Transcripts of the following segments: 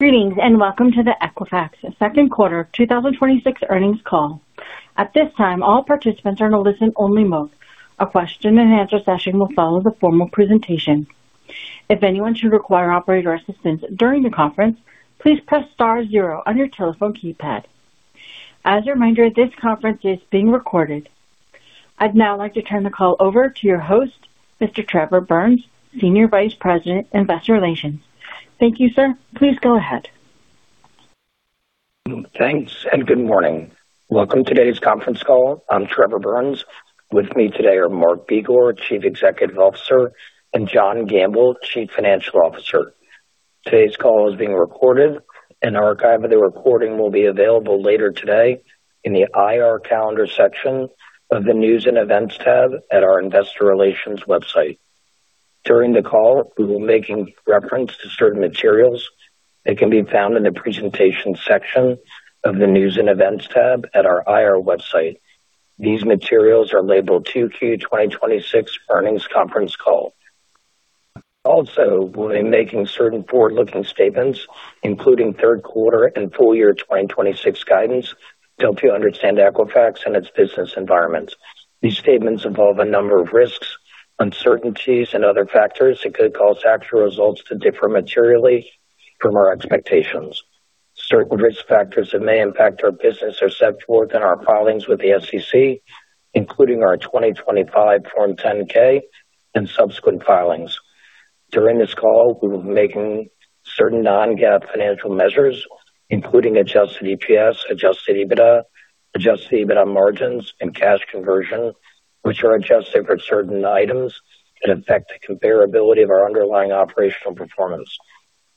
Greetings, welcome to the Equifax second quarter 2026 earnings call. At this time, all participants are in a listen-only mode. A question-and-answer session will follow the formal presentation. If anyone should require operator assistance during the conference, please press star zero on your telephone keypad. As a reminder, this conference is being recorded. I'd now like to turn the call over to your host, Mr. Trevor Burns, Senior Vice President, Investor Relations. Thank you, sir. Please go ahead. Thanks, and good morning. Welcome to today's conference call. I'm Trevor Burns. With me today are Mark Begor, Chief Executive Officer, and John Gamble, Chief Financial Officer. Today's call is being recorded. An archive of the recording will be available later today in the IR calendar section of the News and Events tab at our investor relations website. During the call, we will be making reference to certain materials that can be found in the Presentation section of the News and Events tab at our IR website. These materials are labeled 2Q 2026 Earnings Conference Call. We'll be making certain forward-looking statements, including third quarter and full-year 2026 guidance to help you understand Equifax and its business environment. These statements involve a number of risks, uncertainties, and other factors that could cause actual results to differ materially from our expectations. Certain risk factors that may impact our business are set forth in our filings with the SEC, including our 2025 Form 10-K and subsequent filings. During this call, we will be making certain non-GAAP financial measures, including adjusted EPS, adjusted EBITDA, adjusted EBITDA margins, and cash conversion, which are adjusted for certain items that affect the comparability of our underlying operational performance.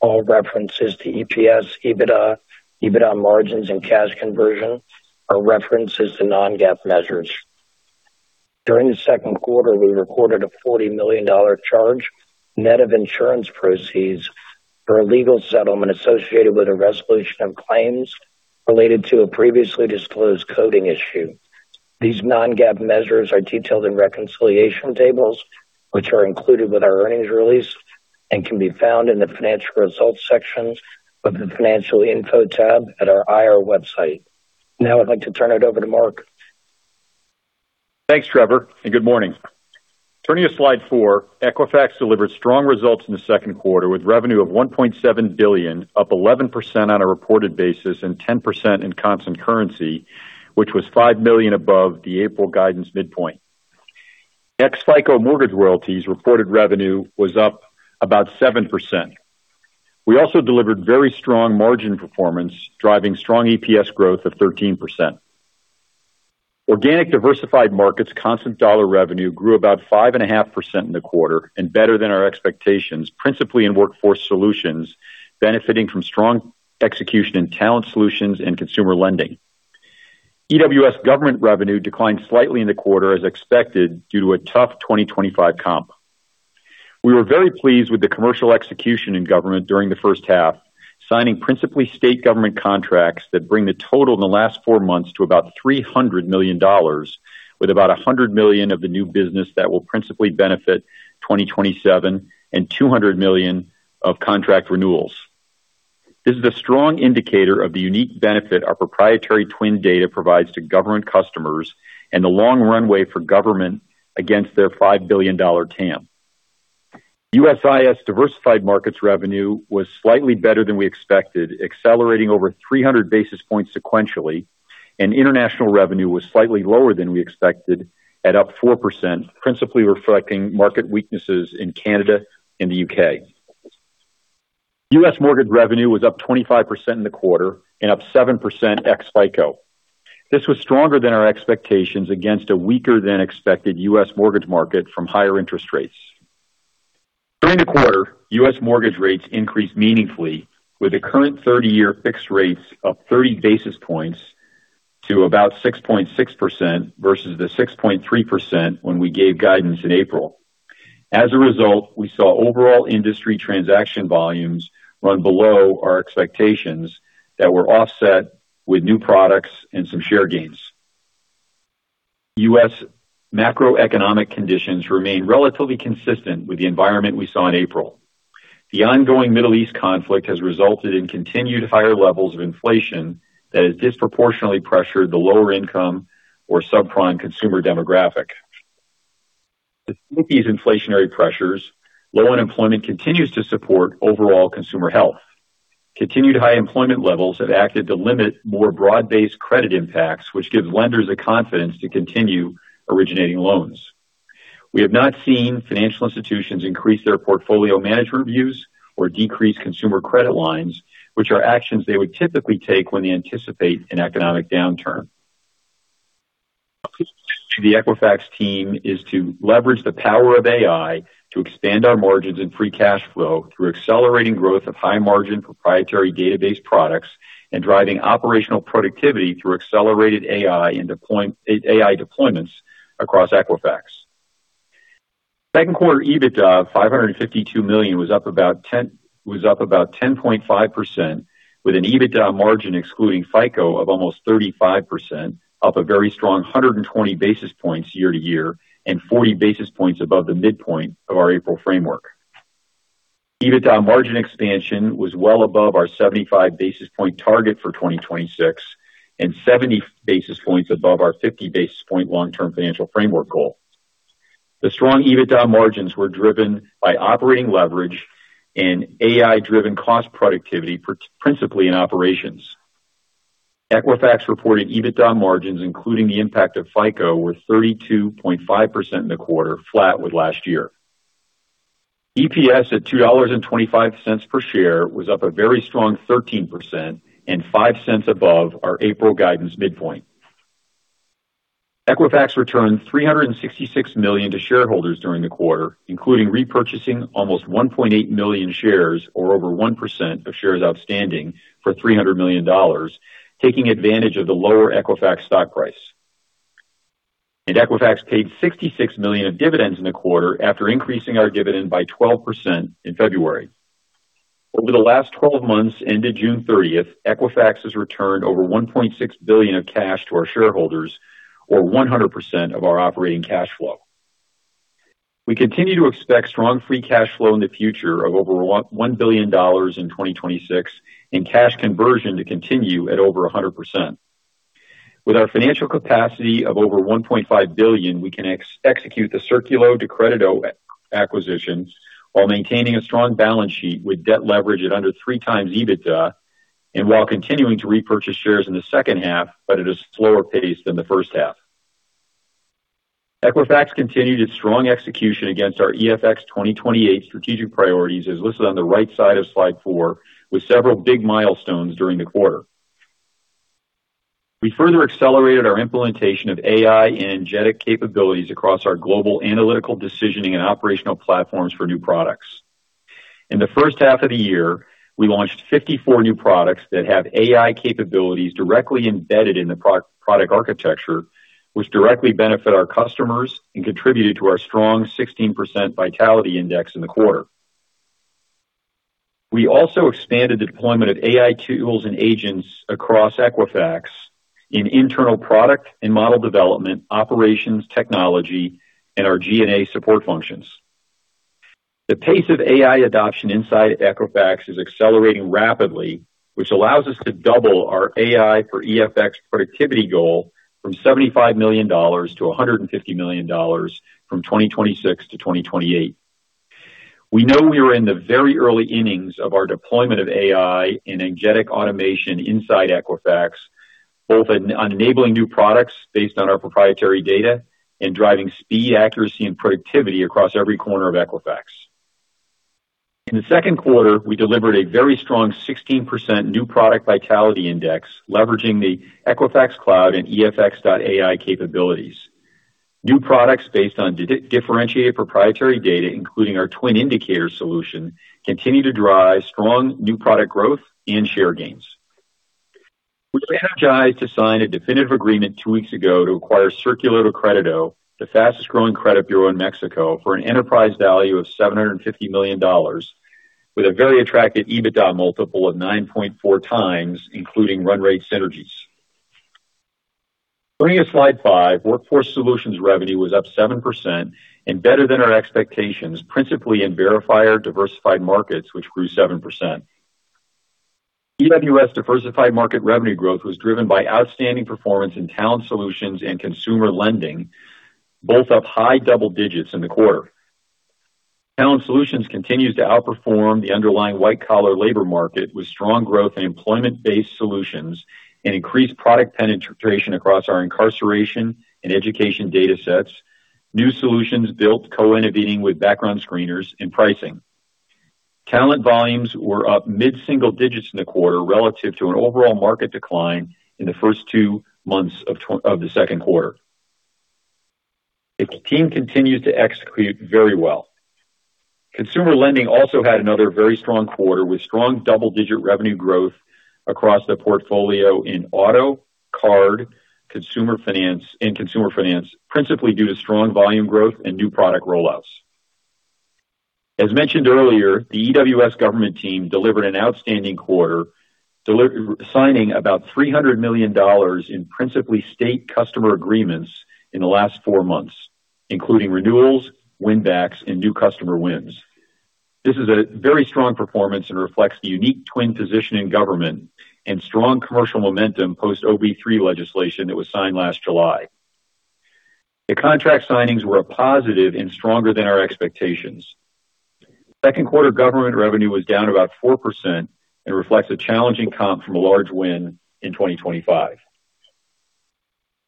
All references to EPS, EBITDA margins, and cash conversion are references to non-GAAP measures. During the second quarter, we recorded a $40 million charge net of insurance proceeds for a legal settlement associated with a resolution of claims related to a previously disclosed coding issue. These non-GAAP measures are detailed in reconciliation tables, which are included with our earnings release and can be found in the Financial Results section of the Financial Info tab at our IR website. I'd like to turn it over to Mark. Thanks, Trevor, good morning. Turning to slide four, Equifax delivered strong results in the second quarter with revenue of $1.7 billion, up 11% on a reported basis and 10% in constant currency, which was $5 million above the April guidance midpoint. Ex FICO mortgage royalties reported revenue was up about 7%. We delivered very strong margin performance, driving strong EPS growth of 13%. Organic diversified markets constant dollar revenue grew about 5.5% in the quarter and better than our expectations, principally in Workforce Solutions, benefiting from strong execution in talent solutions and consumer lending. EWS government revenue declined slightly in the quarter as expected due to a tough 2025 comp. We were very pleased with the commercial execution in government during the first half, signing principally state government contracts that bring the total in the last four months to about $300 million, with about $100 million of the new business that will principally benefit 2027 and $200 million of contract renewals. This is a strong indicator of the unique benefit our proprietary TWN data provides to government customers and the long runway for government against their $5 billion TAM. USIS diversified markets revenue was slightly better than we expected, accelerating over 300 basis points sequentially, international revenue was slightly lower than we expected at up 4%, principally reflecting market weaknesses in Canada and the U.K. U.S. mortgage revenue was up 25% in the quarter and up 7% ex FICO. This was stronger than our expectations against a weaker-than-expected U.S. mortgage market from higher interest rates. During the quarter, U.S. mortgage rates increased meaningfully with the current 30-year fixed rates up 30 basis points to about 6.6% versus the 6.3% when we gave guidance in April. As a result, we saw overall industry transaction volumes run below our expectations that were offset with new products and some share gains. U.S. macroeconomic conditions remain relatively consistent with the environment we saw in April. The ongoing Middle East conflict has resulted in continued higher levels of inflation that has disproportionately pressured the lower income or subprime consumer demographic. Despite these inflationary pressures, low unemployment continues to support overall consumer health. Continued high employment levels have acted to limit more broad-based credit impacts, which gives lenders the confidence to continue originating loans. We have not seen financial institutions increase their portfolio management views or decrease consumer credit lines, which are actions they would typically take when they anticipate an economic downturn. The Equifax team is to leverage the power of AI to expand our margins and free cash flow through accelerating growth of high-margin proprietary database products and driving operational productivity through accelerated AI and AI deployments across Equifax. Second quarter EBITDA of $552 million was up about 10.5% with an EBITDA margin excluding FICO of almost 35%, up a very strong 120 basis points year-over-year and 40 basis points above the midpoint of our April framework. EBITDA margin expansion was well above our 75 basis point target for 2026 and 70 basis points above our 50 basis point long-term financial framework goal. The strong EBITDA margins were driven by operating leverage and AI-driven cost productivity, principally in operations. Equifax reported EBITDA margins, including the impact of FICO, were 32.5% in the quarter, flat with last year. EPS at $2.25 per share was up a very strong 13% and $0.05 above our April guidance midpoint. Equifax returned $366 million to shareholders during the quarter, including repurchasing almost 1.8 million shares or over 1% of shares outstanding for $300 million, taking advantage of the lower Equifax stock price. Equifax paid $66 million of dividends in the quarter after increasing our dividend by 12% in February. Over the last 12 months ended June 30th, Equifax has returned over $1.6 billion of cash to our shareholders or 100% of our operating cash flow. We continue to expect strong free cash flow in the future of over $1 billion in 2026 and cash conversion to continue at over 100%. With our financial capacity of over $1.5 billion, we can execute the Círculo de Crédito acquisitions while maintaining a strong balance sheet with debt leverage at under 3x EBITDA and while continuing to repurchase shares in the second half, but at a slower pace than the first half. Equifax continued its strong execution against our EFX 2028 strategic priorities, as listed on the right side of slide four, with several big milestones during the quarter. We further accelerated our implementation of AI and agentic capabilities across our global analytical decisioning and operational platforms for new products. In the first half of the year, we launched 54 new products that have AI capabilities directly embedded in the product architecture, which directly benefit our customers and contributed to our strong 16% Vitality Index in the quarter. We also expanded the deployment of AI tools and agents across Equifax in internal product and model development, operations, technology, and our GA support functions. The pace of AI adoption inside Equifax is accelerating rapidly, which allows us to double our AI for EFX productivity goal from $75 million-$150 million from 2026-2028. We know we are in the very early innings of our deployment of AI and agentic automation inside Equifax, both in enabling new products based on our proprietary data and driving speed, accuracy, and productivity across every corner of Equifax. In the second quarter, we delivered a very strong 16% new product Vitality Index leveraging the Equifax Cloud and EFX.AI capabilities. New products based on differentiated proprietary data, including our TWN Indicator solution, continue to drive strong new product growth and share gains. We were energized to sign a definitive agreement two weeks ago to acquire Círculo de Crédito, the fastest growing credit bureau in Mexico, for an enterprise value of $750 million with a very attractive EBITDA multiple of 9.4x, including run rate synergies. Turning to slide five, Workforce Solutions revenue was up 7% and better than our expectations, principally in Verification Services diversified markets, which grew 7%. EWS diversified market revenue growth was driven by outstanding performance in talent solutions and consumer lending, both up high double digits in the quarter. Talent Solutions continues to outperform the underlying white-collar labor market with strong growth in employment-based solutions and increased product penetration across our incarceration and education datasets, new solutions built co-innovating with background screeners, and pricing. Talent volumes were up mid-single digits in the quarter relative to an overall market decline in the first two months of the second quarter. The team continues to execute very well. Consumer lending also had another very strong quarter with strong double-digit revenue growth across the portfolio in auto, card, and consumer finance, principally due to strong volume growth and new product rollouts. As mentioned earlier, the EWS government team delivered an outstanding quarter, signing about $300 million in principally state customer agreements in the last four months, including renewals, win backs, and new customer wins. This is a very strong performance and reflects the unique TWN position in government and strong commercial momentum post OBBB legislation that was signed last July. The contract signings were a positive and stronger than our expectations. Second quarter government revenue was down about 4% and reflects a challenging comp from a large win in 2025.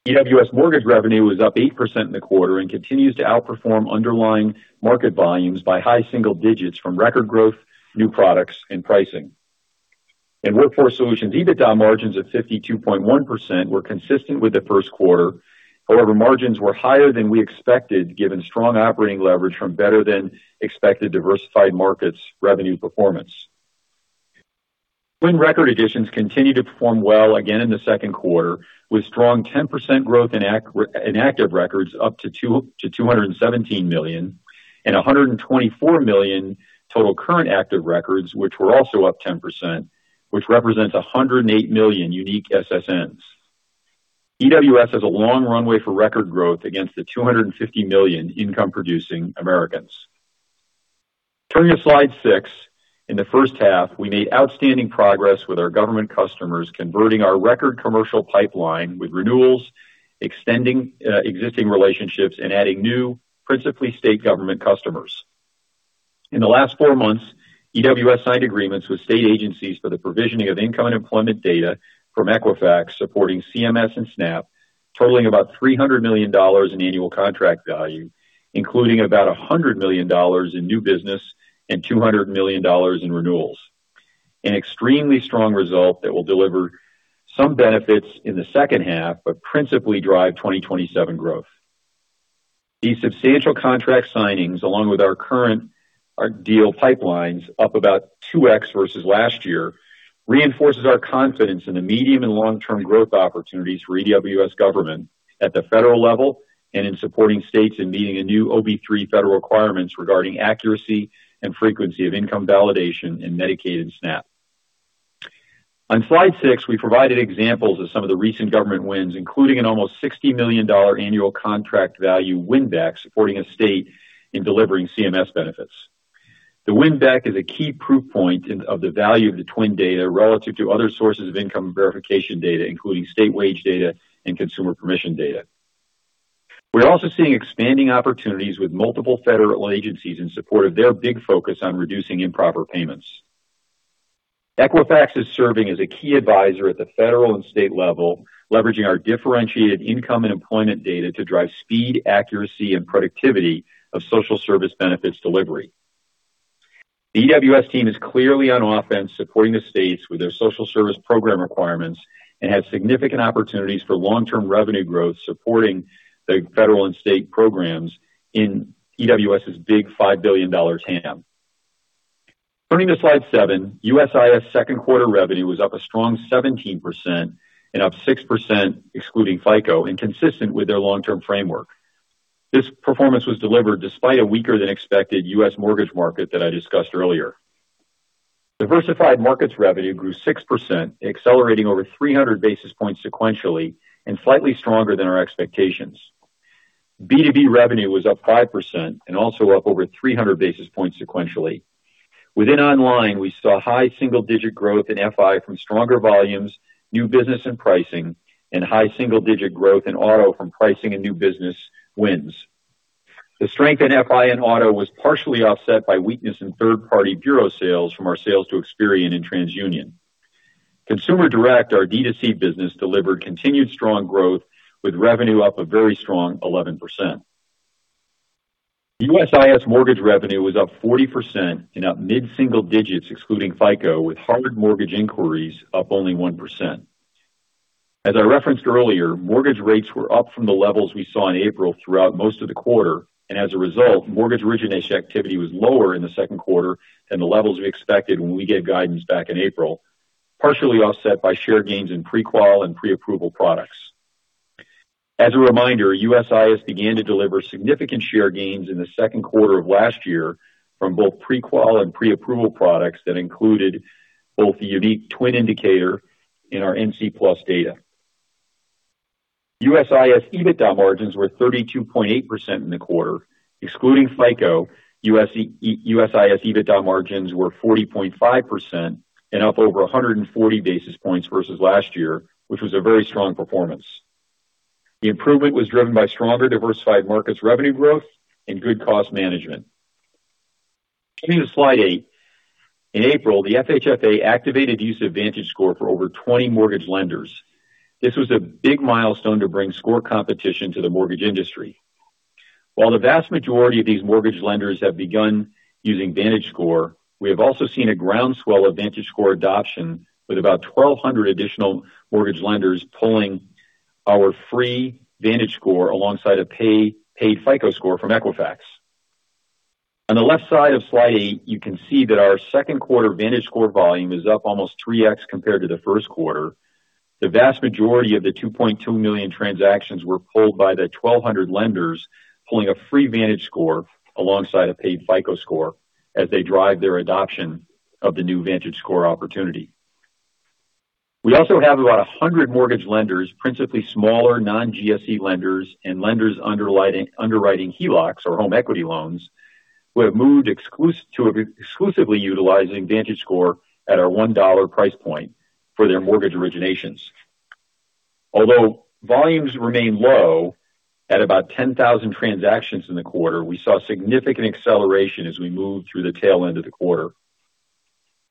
EWS mortgage revenue was up 8% in the quarter and continues to outperform underlying market volumes by high single digits from record growth, new products, and pricing. In Workforce Solutions, EBITDA margins of 52.1% were consistent with the first quarter. However, margins were higher than we expected, given strong operating leverage from better than expected diversified markets revenue performance. TWN record additions continued to perform well again in the second quarter, with strong 10% growth in active records up to 217 million and 124 million total current active records, which were also up 10%, which represents 108 million unique SSNs. EWS has a long runway for record growth against the 250 million income-producing Americans. Turning to slide six. In the first half, we made outstanding progress with our government customers converting our record commercial pipeline with renewals, extending existing relationships, and adding new, principally state government customers. In the last four months, EWS signed agreements with state agencies for the provisioning of income and employment data from Equifax supporting CMS and SNAP, totaling about $300 million in annual contract value, including about $100 million in new business and $200 million in renewals. An extremely strong result that will deliver some benefits in the second half, but principally drive 2027 growth. These substantial contract signings, along with our current deal pipelines up about 2x versus last year, reinforces our confidence in the medium and long-term growth opportunities for EWS Government at the federal level and in supporting states in meeting the new OBBB federal requirements regarding accuracy and frequency of income validation in Medicaid and SNAP. On slide six, we provided examples of some of the recent government wins, including an almost $60 million annual contract value win back supporting a state in delivering CMS benefits. The win back is a key proof point of the value of the TWN data relative to other sources of income verification data, including state wage data and consumer permission data. We're also seeing expanding opportunities with multiple federal agencies in support of their big focus on reducing improper payments. Equifax is serving as a key advisor at the federal and state level, leveraging our differentiated income and employment data to drive speed, accuracy, and productivity of social service benefits delivery. The EWS team is clearly on offense supporting the states with their social service program requirements and has significant opportunities for long-term revenue growth supporting the federal and state programs in EWS's big $5 billion TAM. Turning to slide seven, USIS second quarter revenue was up a strong 17% and up 6% excluding FICO and consistent with their long-term framework. This performance was delivered despite a weaker than expected U.S. mortgage market that I discussed earlier. Diversified markets revenue grew 6%, accelerating over 300 basis points sequentially and slightly stronger than our expectations. B2B revenue was up 5% and also up over 300 basis points sequentially. Within online, we saw high single-digit growth in FI from stronger volumes, new business and pricing, and high single-digit growth in auto from pricing and new business wins. The strength in FI and auto was partially offset by weakness in third-party bureau sales from our sales to Experian and TransUnion. Consumer direct, our D2C business, delivered continued strong growth, with revenue up a very strong 11%. USIS mortgage revenue was up 40% and up mid-single digits excluding FICO, with hard mortgage inquiries up only 1%. As I referenced earlier, mortgage rates were up from the levels we saw in April throughout most of the quarter. As a result, mortgage origination activity was lower in the second quarter than the levels we expected when we gave guidance back in April, partially offset by share gains in pre-qual and pre-approval products. As a reminder, USIS began to deliver significant share gains in the second quarter of last year from both pre-qual and pre-approval products that included both the unique TWN Indicator and our NCTUE Plus data. USIS EBITDA margins were 32.8% in the quarter. Excluding FICO, USIS EBITDA margins were 40.5% and up over 140 basis points versus last year, which was a very strong performance. The improvement was driven by stronger diversified markets revenue growth and good cost management. Turning to slide eight. In April, the FHFA activated use of VantageScore for over 20 mortgage lenders. This was a big milestone to bring score competition to the mortgage industry. While the vast majority of these mortgage lenders have begun using VantageScore, we have also seen a groundswell of VantageScore adoption with about 1,200 additional mortgage lenders pulling our free VantageScore alongside a paid FICO score from Equifax. On the left side of slide eight, you can see that our second quarter VantageScore volume is up almost 3x compared to the first quarter. The vast majority of the 2.2 million transactions were pulled by the 1,200 lenders pulling a free VantageScore alongside a paid FICO score as they drive their adoption of the new VantageScore opportunity. We also have about 100 mortgage lenders, principally smaller non-GSE lenders and lenders underwriting HELOCs or home equity loans, who have moved to exclusively utilizing VantageScore at our $1 price point for their mortgage originations. Although volumes remain low at about 10,000 transactions in the quarter, we saw significant acceleration as we moved through the tail end of the quarter.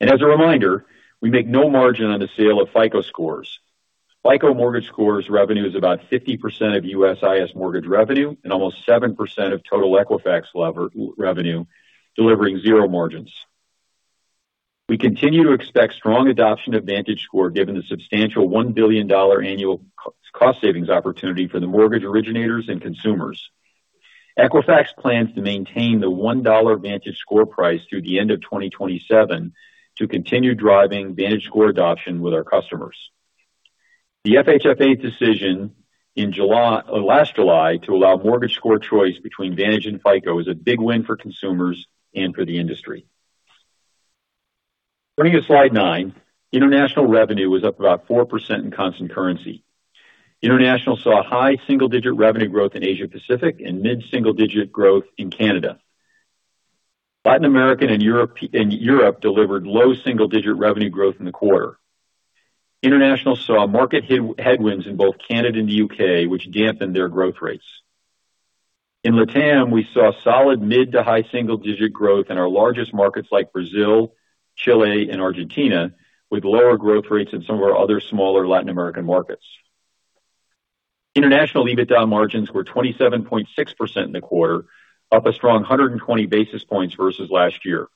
As a reminder, we make no margin on the sale of FICO scores. FICO mortgage scores revenue is about 50% of USIS mortgage revenue and almost 7% of total Equifax revenue, delivering zero margins. We continue to expect strong adoption of VantageScore given the substantial $1 billion annual cost savings opportunity for the mortgage originators and consumers. Equifax plans to maintain the $1 VantageScore price through the end of 2027 to continue driving VantageScore adoption with our customers. The FHFA's decision last July to allow mortgage score choice between Vantage and FICO is a big win for consumers and for the industry. Turning to slide nine, international revenue was up about 4% in constant currency. International saw high single-digit revenue growth in Asia Pacific and mid-single-digit growth in Canada. Latin American and Europe delivered low single-digit revenue growth in the quarter. International saw market headwinds in both Canada and the U.K., which dampened their growth rates. In LATAM, we saw solid mid to high single-digit growth in our largest markets like Brazil, Chile, and Argentina, with lower growth rates in some of our other smaller Latin American markets. International EBITDA margins were 27.6% in the quarter, up a strong 120 basis points versus last year.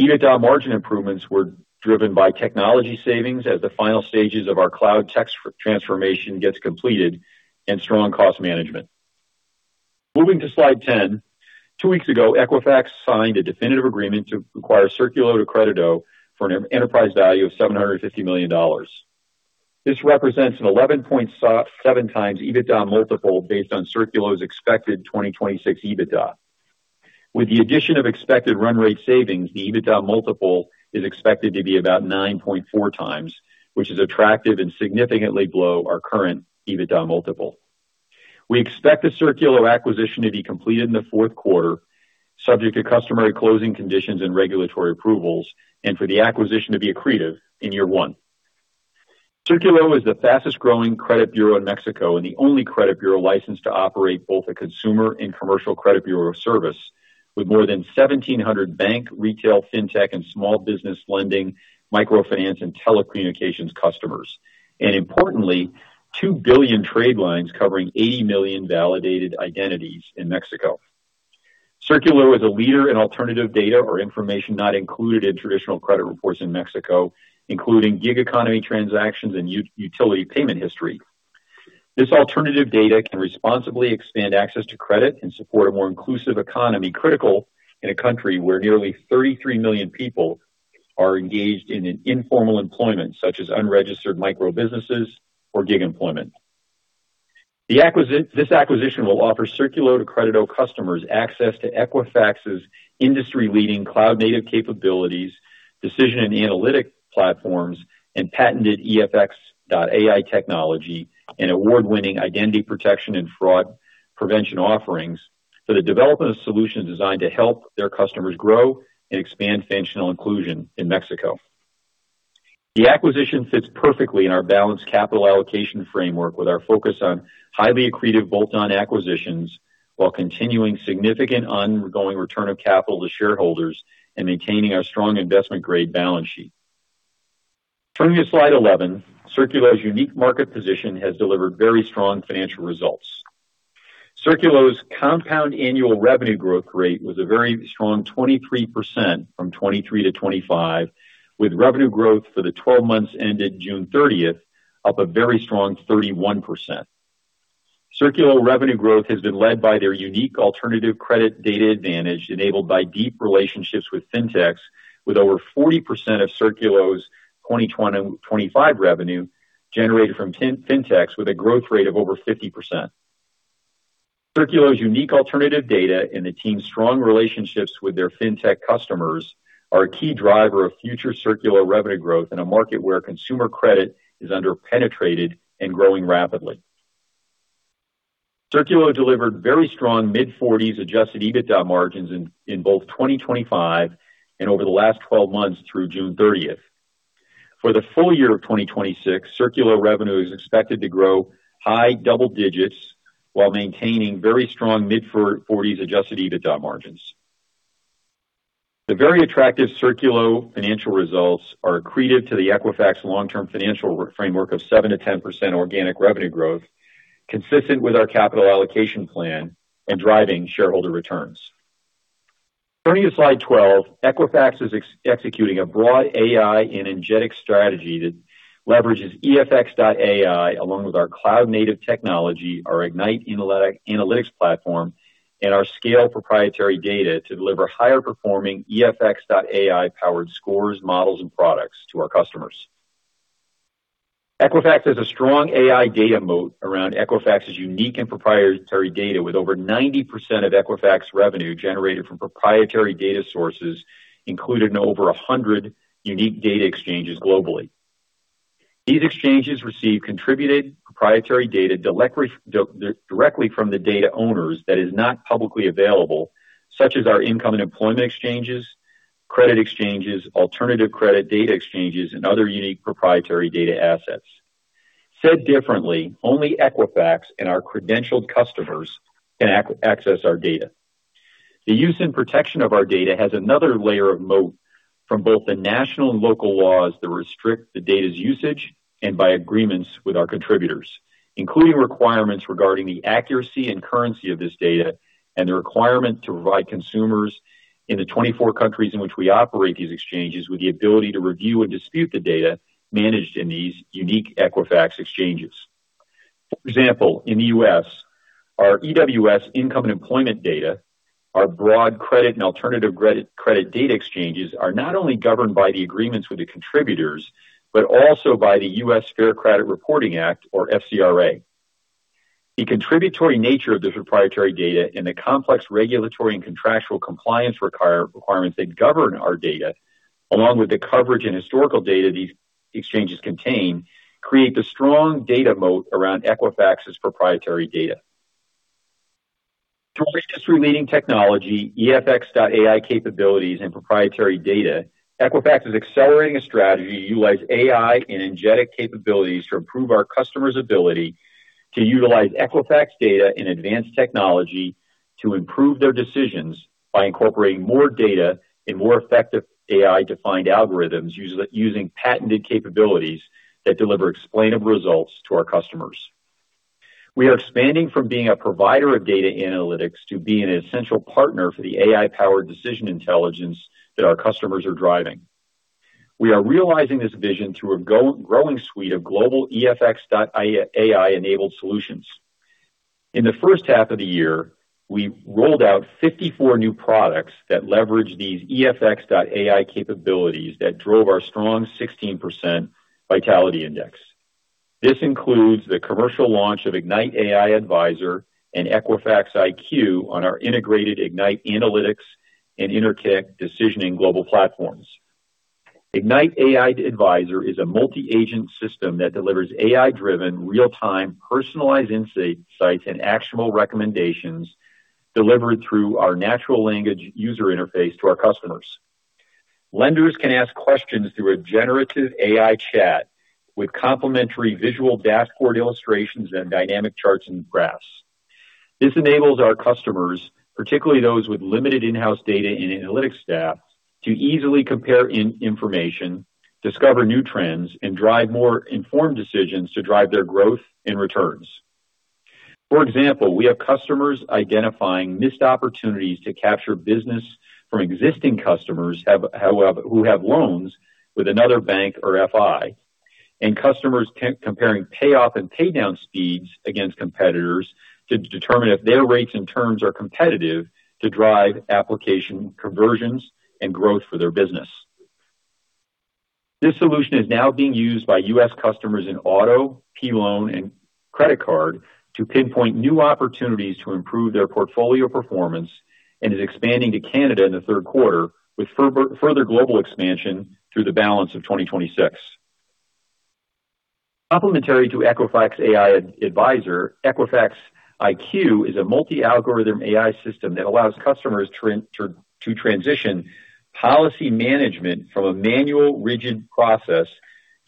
EBITDA margin improvements were driven by technology savings as the final stages of our cloud transformation gets completed and strong cost management. Moving to slide 10. Two weeks ago, Equifax signed a definitive agreement to acquire Círculo de Crédito for an enterprise value of $750 million. This represents an 11.7x EBITDA multiple based on Círculo's expected 2026 EBITDA. With the addition of expected run rate savings, the EBITDA multiple is expected to be about 9.4x, which is attractive and significantly below our current EBITDA multiple. We expect the Círculo acquisition to be completed in the fourth quarter, subject to customary closing conditions and regulatory approvals, and for the acquisition to be accretive in year one. Círculo is the fastest growing credit bureau in Mexico and the only credit bureau licensed to operate both a consumer and commercial credit bureau service, with more than 1,700 bank, retail, fintech, and small business lending, microfinance, and telecommunications customers. Importantly, 2 billion trade lines covering 80 million validated identities in Mexico. Círculo is a leader in alternative data or information not included in traditional credit reports in Mexico, including gig economy transactions and utility payment history. This alternative data can responsibly expand access to credit and support a more inclusive economy, critical in a country where nearly 33 million people are engaged in an informal employment, such as unregistered micro-businesses or gig employment. This acquisition will offer Círculo de Crédito customers access to Equifax's industry-leading cloud-native capabilities, decision and analytic platforms, and patented EFX.AI technology, and award-winning identity protection and fraud prevention offerings for the development of solutions designed to help their customers grow and expand financial inclusion in Mexico. The acquisition fits perfectly in our balanced capital allocation framework, with our focus on highly accretive bolt-on acquisitions while continuing significant ongoing return of capital to shareholders and maintaining our strong investment-grade balance sheet. Turning to slide 11, Círculo's unique market position has delivered very strong financial results. Círculo's compound annual revenue growth rate was a very strong 23% from 2023-2025, with revenue growth for the 12 months ended June 30th, up a very strong 31%. Círculo revenue growth has been led by their unique alternative credit data advantage enabled by deep relationships with fintechs, with over 40% of Círculo's 2025 revenue generated from fintechs with a growth rate of over 50%. Círculo's unique alternative data and the team's strong relationships with their fintech customers are a key driver of future Círculo revenue growth in a market where consumer credit is under-penetrated and growing rapidly. Círculo delivered very strong mid-40s adjusted EBITDA margins in both 2025 and over the last 12 months through June 30th. For the full year of 2026, Círculo revenue is expected to grow high double digits while maintaining very strong mid-40s adjusted EBITDA margins. The very attractive Círculo financial results are accretive to the Equifax long-term financial framework of 7%-10% organic revenue growth, consistent with our capital allocation plan and driving shareholder returns. Turning to slide 12. Equifax is executing a broad AI agentic strategy that leverages EFX.AI along with our cloud-native technology, our Ignite analytics platform, and our scale proprietary data to deliver higher performing EFX.AI-powered scores, models, and products to our customers. Equifax has a strong AI data moat around Equifax's unique and proprietary data, with over 90% of Equifax revenue generated from proprietary data sources, including over 100 unique data exchanges globally. These exchanges receive contributed proprietary data directly from the data owners that is not publicly available, such as our income and employment exchanges, credit exchanges, alternative credit data exchanges, and other unique proprietary data assets. Said differently, only Equifax and our credentialed customers can access our data. The use and protection of our data has another layer of moat from both the national and local laws that restrict the data's usage and by agreements with our contributors, including requirements regarding the accuracy and currency of this data and the requirement to provide consumers in the 24 countries in which we operate these exchanges with the ability to review and dispute the data managed in these unique Equifax exchanges. For example, in the U.S., our EWS income and employment data, our broad credit and alternative credit data exchanges are not only governed by the agreements with the contributors, but also by the U.S. Fair Credit Reporting Act, or FCRA. The contributory nature of this proprietary data and the complex regulatory and contractual compliance requirements that govern our data, along with the coverage and historical data these exchanges contain, create the strong data moat around Equifax's proprietary data. To reach this through leading technology, EFX.AI capabilities and proprietary data, Equifax is accelerating a strategy to utilize AI and agentic capabilities to improve our customers' ability to utilize Equifax data and advanced technology to improve their decisions by incorporating more data and more effective AI-defined algorithms, using patented capabilities that deliver explainable results to our customers. We are expanding from being a provider of data analytics to being an essential partner for the AI-powered decision intelligence that our customers are driving. We are realizing this vision through a growing suite of global EFX.AI-enabled solutions. In the first half of the year, we rolled out 54 new products that leverage these EFX.AI capabilities that drove our strong 16% Vitality Index. This includes the commercial launch of Ignite AI Advisor and Equifax IQ on our integrated Ignite analytics and InterConnect decisioning global platforms. Ignite AI Advisor is a multi-agent system that delivers AI-driven, real-time personalized insights and actionable recommendations delivered through our natural language user interface to our customers. Lenders can ask questions through a generative AI chat with complimentary visual dashboard illustrations and dynamic charts and graphs. This enables our customers, particularly those with limited in-house data and analytics staff, to easily compare information, discover new trends, and drive more informed decisions to drive their growth and returns. For example, we have customers identifying missed opportunities to capture business from existing customers who have loans with another bank or FI, and customers comparing payoff and paydown speeds against competitors to determine if their rates and terms are competitive to drive application conversions and growth for their business. This solution is now being used by U.S. customers in auto, P-loan, and credit card to pinpoint new opportunities to improve their portfolio performance, and is expanding to Canada in the third quarter with further global expansion through the balance of 2026. Complementary to Equifax AI Advisor, Equifax IQ is a multi-algorithm AI system that allows customers to transition policy management from a manual rigid process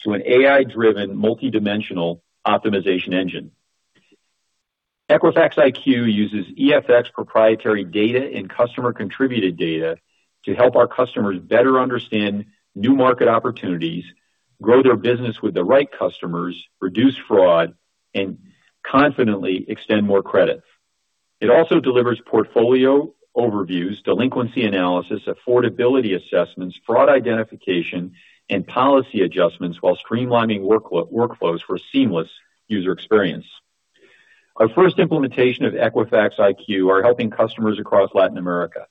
to an AI-driven multi-dimensional optimization engine. Equifax IQ uses EFX proprietary data and customer contributed data to help our customers better understand new market opportunities, grow their business with the right customers, reduce fraud, and confidently extend more credit. It also delivers portfolio overviews, delinquency analysis, affordability assessments, fraud identification, and policy adjustments while streamlining workflows for a seamless user experience. Our first implementation of Equifax IQ are helping customers across Latin America.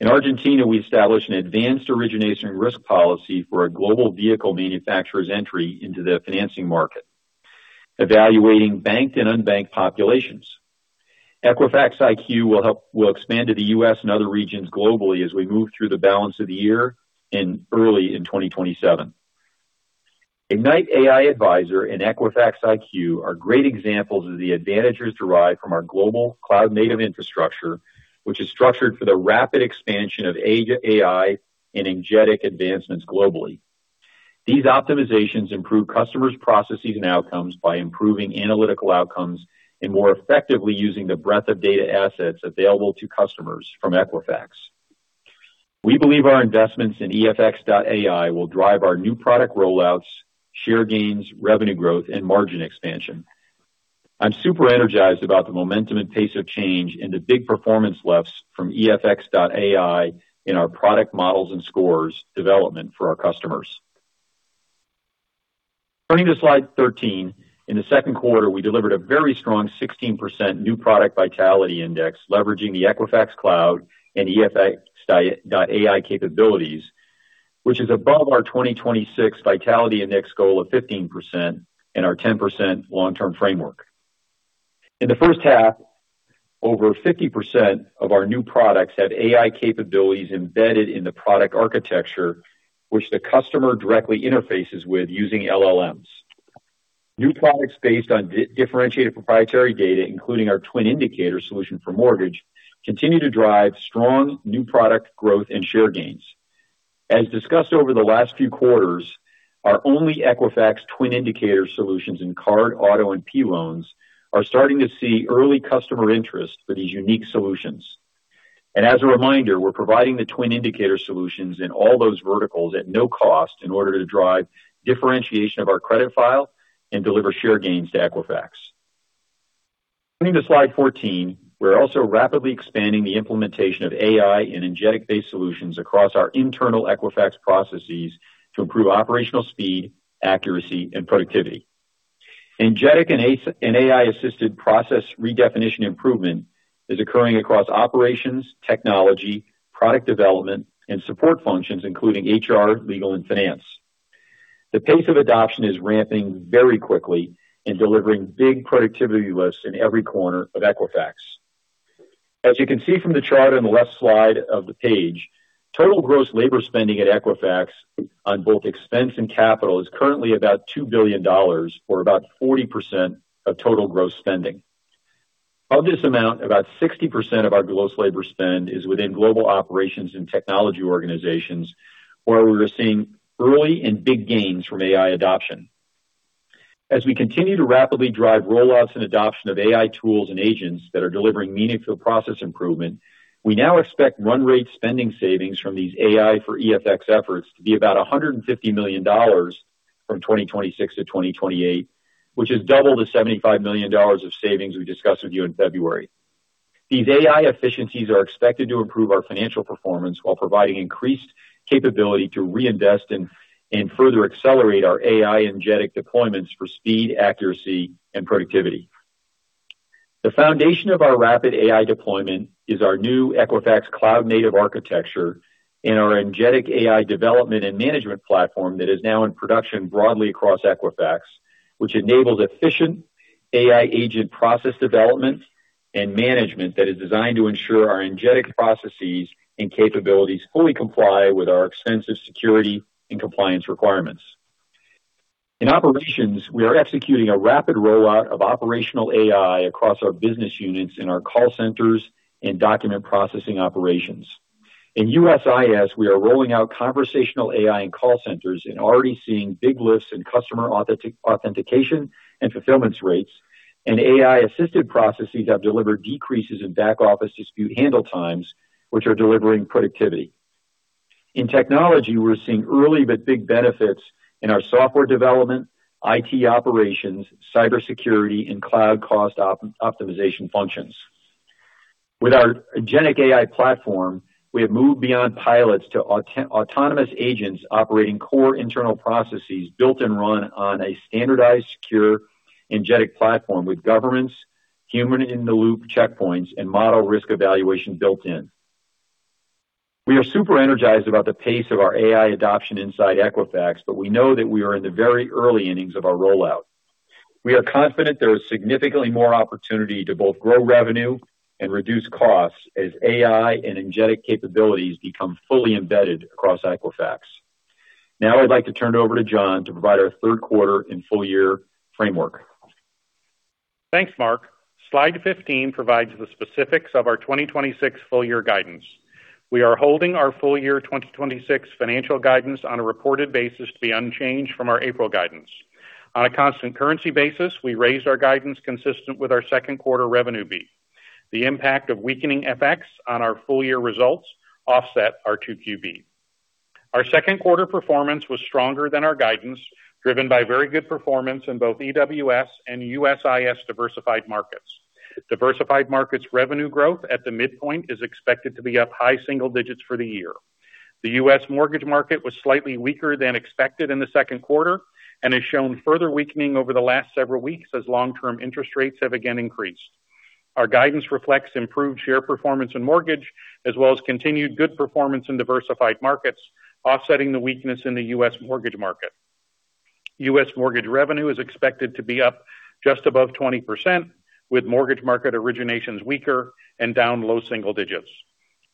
In Argentina, we established an advanced origination risk policy for a global vehicle manufacturer's entry into the financing market, evaluating banked and unbanked populations. Equifax IQ will expand to the U.S. and other regions globally as we move through the balance of the year and early in 2027. Ignite AI Advisor and Equifax IQ are great examples of the advantages derived from our global cloud-native infrastructure, which is structured for the rapid expansion of AI and agentic advancements globally. These optimizations improve customers' processes and outcomes by improving analytical outcomes and more effectively using the breadth of data assets available to customers from Equifax. We believe our investments in EFX.AI will drive our new product roll-outs, share gains, revenue growth, and margin expansion. I'm super energized about the momentum and pace of change and the big performance lifts from EFX.AI in our product models and scores development for our customers. Turning to slide 13, in the second quarter, we delivered a very strong 16% new product Vitality Index leveraging the Equifax Cloud and EFX.AI capabilities, which is above our 2026 Vitality Index goal of 15% and our 10% long-term framework. In the first half, over 50% of our new products have AI capabilities embedded in the product architecture, which the customer directly interfaces with using LLMs. New products based on differentiated proprietary data, including our TWN Indicator solution for mortgage, continue to drive strong new product growth and share gains. As discussed over the last few quarters, our only Equifax TWN Indicator solutions in card, auto, and P-loans are starting to see early customer interest for these unique solutions. As a reminder, we're providing the TWN Indicator solutions in all those verticals at no cost in order to drive differentiation of our credit file and deliver share gains to Equifax. Turning to slide 14, we're also rapidly expanding the implementation of AI and agentic-based solutions across our internal Equifax processes to improve operational speed, accuracy, and productivity. Agentic and AI-assisted process redefinition improvement is occurring across operations, technology, product development, and support functions, including HR, legal, and finance. The pace of adoption is ramping very quickly and delivering big productivity lifts in every corner of Equifax. As you can see from the chart on the left slide of the page, total gross labor spending at Equifax on both expense and capital is currently about $2 billion, or about 40% of total gross spending. Of this amount, about 60% of our gross labor spend is within global operations and technology organizations, where we are seeing early and big gains from AI adoption. As we continue to rapidly drive roll-outs and adoption of AI tools and agents that are delivering meaningful process improvement, we now expect run rate spending savings from these AI for EFX efforts to be about $150 million from 2026-2028, which is double the $75 million of savings we discussed with you in February. These AI efficiencies are expected to improve our financial performance while providing increased capability to reinvest and further accelerate our AI agentic deployments for speed, accuracy, and productivity. The foundation of our rapid AI deployment is our new Equifax Cloud-native architecture and our agentic AI development and management platform that is now in production broadly across Equifax, which enables efficient AI agent process development and management that is designed to ensure our agentic processes and capabilities fully comply with our extensive security and compliance requirements. In operations, we are executing a rapid rollout of operational AI across our business units in our call centers and document processing operations. In USIS, we are rolling out conversational AI in call centers and already seeing big lifts in customer authentication and fulfillments rates. AI-assisted processes have delivered decreases in back-office dispute handle times, which are delivering productivity. In technology, we're seeing early but big benefits in our software development, IT operations, cybersecurity, and cloud cost optimization functions. With our agentic AI platform, we have moved beyond pilots to autonomous agents operating core internal processes built and run on a standardized, secure agentic platform with governance, human-in-the-loop checkpoints, and model risk evaluation built in. We are super energized about the pace of our AI adoption inside Equifax, but we know that we are in the very early innings of our rollout. We are confident there is significantly more opportunity to both grow revenue and reduce costs as AI and agentic capabilities become fully embedded across Equifax. Now I'd like to turn it over to John to provide our third quarter and full-year framework. Thanks, Mark. Slide 15 provides the specifics of our 2026 full-year guidance. We are holding our full-year 2026 financial guidance on a reported basis to be unchanged from our April guidance. On a constant currency basis, we raised our guidance consistent with our second quarter revenue beat. The impact of weakening FX on our full-year results offset our 2Q beat. Our second quarter performance was stronger than our guidance, driven by very good performance in both EWS and USIS diversified markets. Diversified markets revenue growth at the midpoint is expected to be up high single digits for the year. The U.S. mortgage market was slightly weaker than expected in the second quarter and has shown further weakening over the last several weeks as long-term interest rates have again increased. Our guidance reflects improved share performance in mortgage as well as continued good performance in diversified markets, offsetting the weakness in the U.S. mortgage market. U.S. mortgage revenue is expected to be up just above 20%, with mortgage market originations weaker and down low single digits.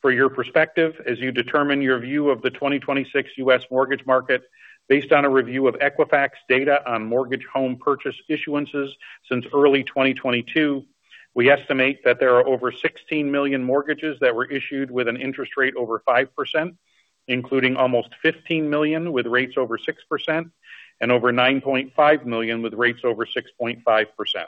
For your perspective, as you determine your view of the 2026 U.S. mortgage market based on a review of Equifax data on mortgage home purchase issuances since early 2022, we estimate that there are over 16 million mortgages that were issued with an interest rate over 5%, including almost 15 million with rates over 6%, and over 9.5 million with rates over 6.5%. This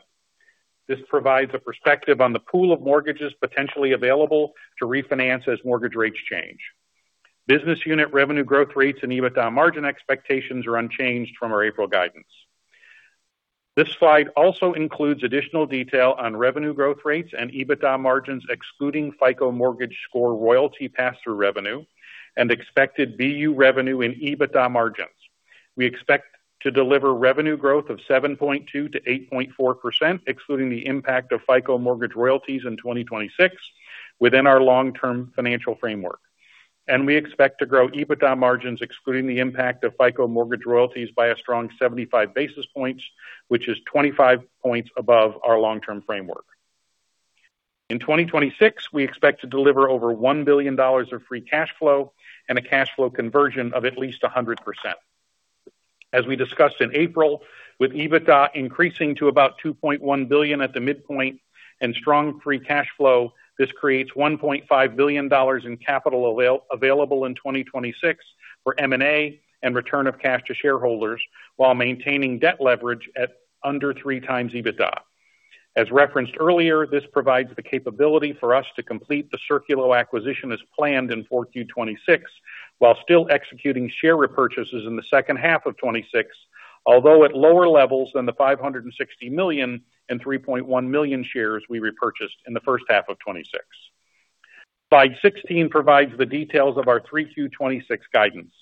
provides a perspective on the pool of mortgages potentially available to refinance as mortgage rates change. Business unit revenue growth rates and EBITDA margin expectations are unchanged from our April guidance. This slide also includes additional detail on revenue growth rates and EBITDA margins excluding FICO mortgage score royalty pass-through revenue and expected BU revenue and EBITDA margins. We expect to deliver revenue growth of 7.2%-8.4%, excluding the impact of FICO mortgage royalties in 2026 within our long-term financial framework. We expect to grow EBITDA margins excluding the impact of FICO mortgage royalties by a strong 75 basis points, which is 25 points above our long-term framework. In 2026, we expect to deliver over $1 billion of free cash flow and a cash flow conversion of at least 100%. As we discussed in April, with EBITDA increasing to about $2.1 billion at the midpoint and strong free cash flow, this creates $1.5 billion in capital available in 2026 for M&A and return of cash to shareholders while maintaining debt leverage at under 3x EBITDA. As referenced earlier, this provides the capability for us to complete the Círculo acquisition as planned in 4Q 2026, while still executing share repurchases in the second half of 2026, although at lower levels than the 560 million and 3.1 million shares we repurchased in the first half of 2026. Slide 16 provides the details of our 3Q 2026 guidance.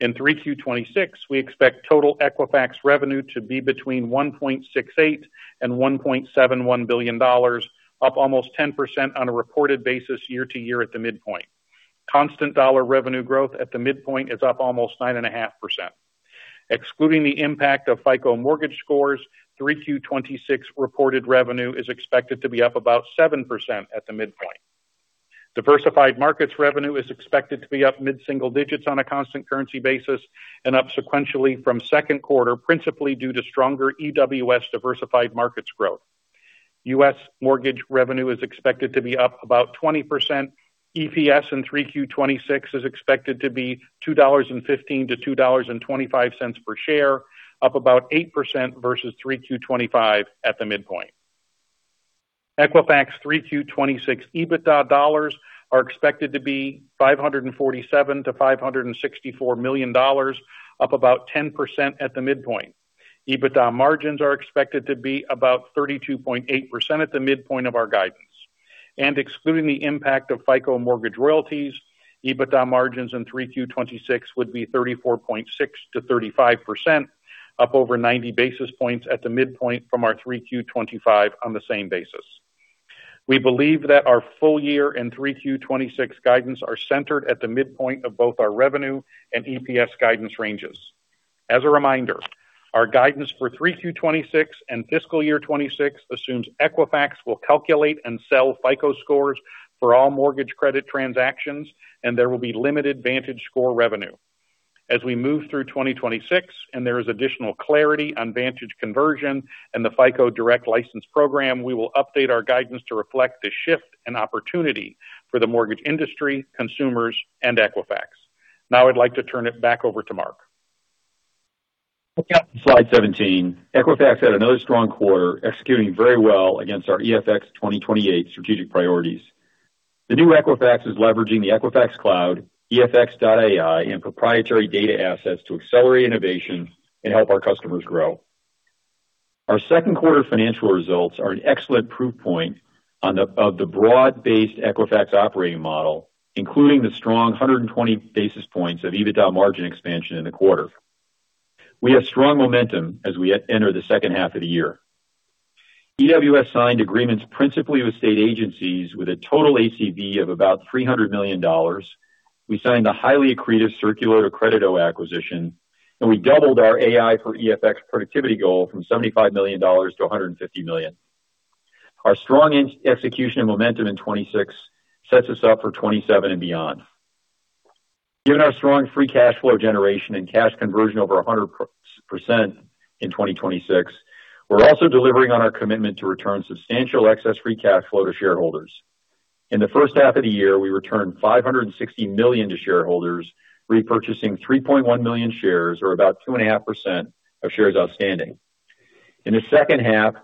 In 3Q 2026, we expect total Equifax revenue to be between $1.68 and $1.71 billion, up almost 10% on a reported basis year-over-year at the midpoint. Constant dollar revenue growth at the midpoint is up almost 9.5%. Excluding the impact of FICO mortgage scores, 3Q 2026 reported revenue is expected to be up about 7% at the midpoint. Diversified markets revenue is expected to be up mid-single digits on a constant currency basis and up sequentially from second quarter, principally due to stronger EWS diversified markets growth. U.S. mortgage revenue is expected to be up about 20%. EPS in 3Q 2026 is expected to be $2.15-$2.25 per share, up about 8% versus 3Q 2025 at the midpoint. Equifax 3Q 2026 EBITDA dollars are expected to be $547 million-$564 million, up about 10% at the midpoint. EBITDA margins are expected to be about 32.8% at the midpoint of our guidance. Excluding the impact of FICO mortgage royalties, EBITDA margins in 3Q 2026 would be 34.6%-35%, up over 90 basis points at the midpoint from our 3Q 2025 on the same basis. We believe that our full year and 3Q 2026 guidance are centered at the midpoint of both our revenue and EPS guidance ranges. As a reminder, our guidance for 3Q 2026 and fiscal year 2026 assumes Equifax will calculate and sell FICO scores for all mortgage credit transactions, and there will be limited VantageScore revenue. As we move through 2026 and there is additional clarity on Vantage conversion and the FICO direct license program, we will update our guidance to reflect the shift and opportunity for the mortgage industry, consumers, and Equifax. Now I'd like to turn it back over to Mark. Looking at slide 17. Equifax had another strong quarter, executing very well against our EFX 2028 strategic priorities. The new Equifax is leveraging the Equifax Cloud, EFX.AI, and proprietary data assets to accelerate innovation and help our customers grow. Our second quarter financial results are an excellent proof point of the broad-based Equifax operating model, including the strong 120 basis points of EBITDA margin expansion in the quarter. We have strong momentum as we enter the second half of the year. EWS signed agreements principally with state agencies with a total ACV of about $300 million. We signed the highly accretive Círculo de Crédito acquisition, and we doubled our AI for EFX productivity goal from $75 million-$150 million. Our strong execution and momentum in 2026 sets us up for 2027 and beyond. Given our strong free cash flow generation and cash conversion over 100% in 2026, we're also delivering on our commitment to return substantial excess free cash flow to shareholders. In the first half of the year, we returned $560 million to shareholders, repurchasing 3.1 million shares, or about 2.5% of shares outstanding. In the second half,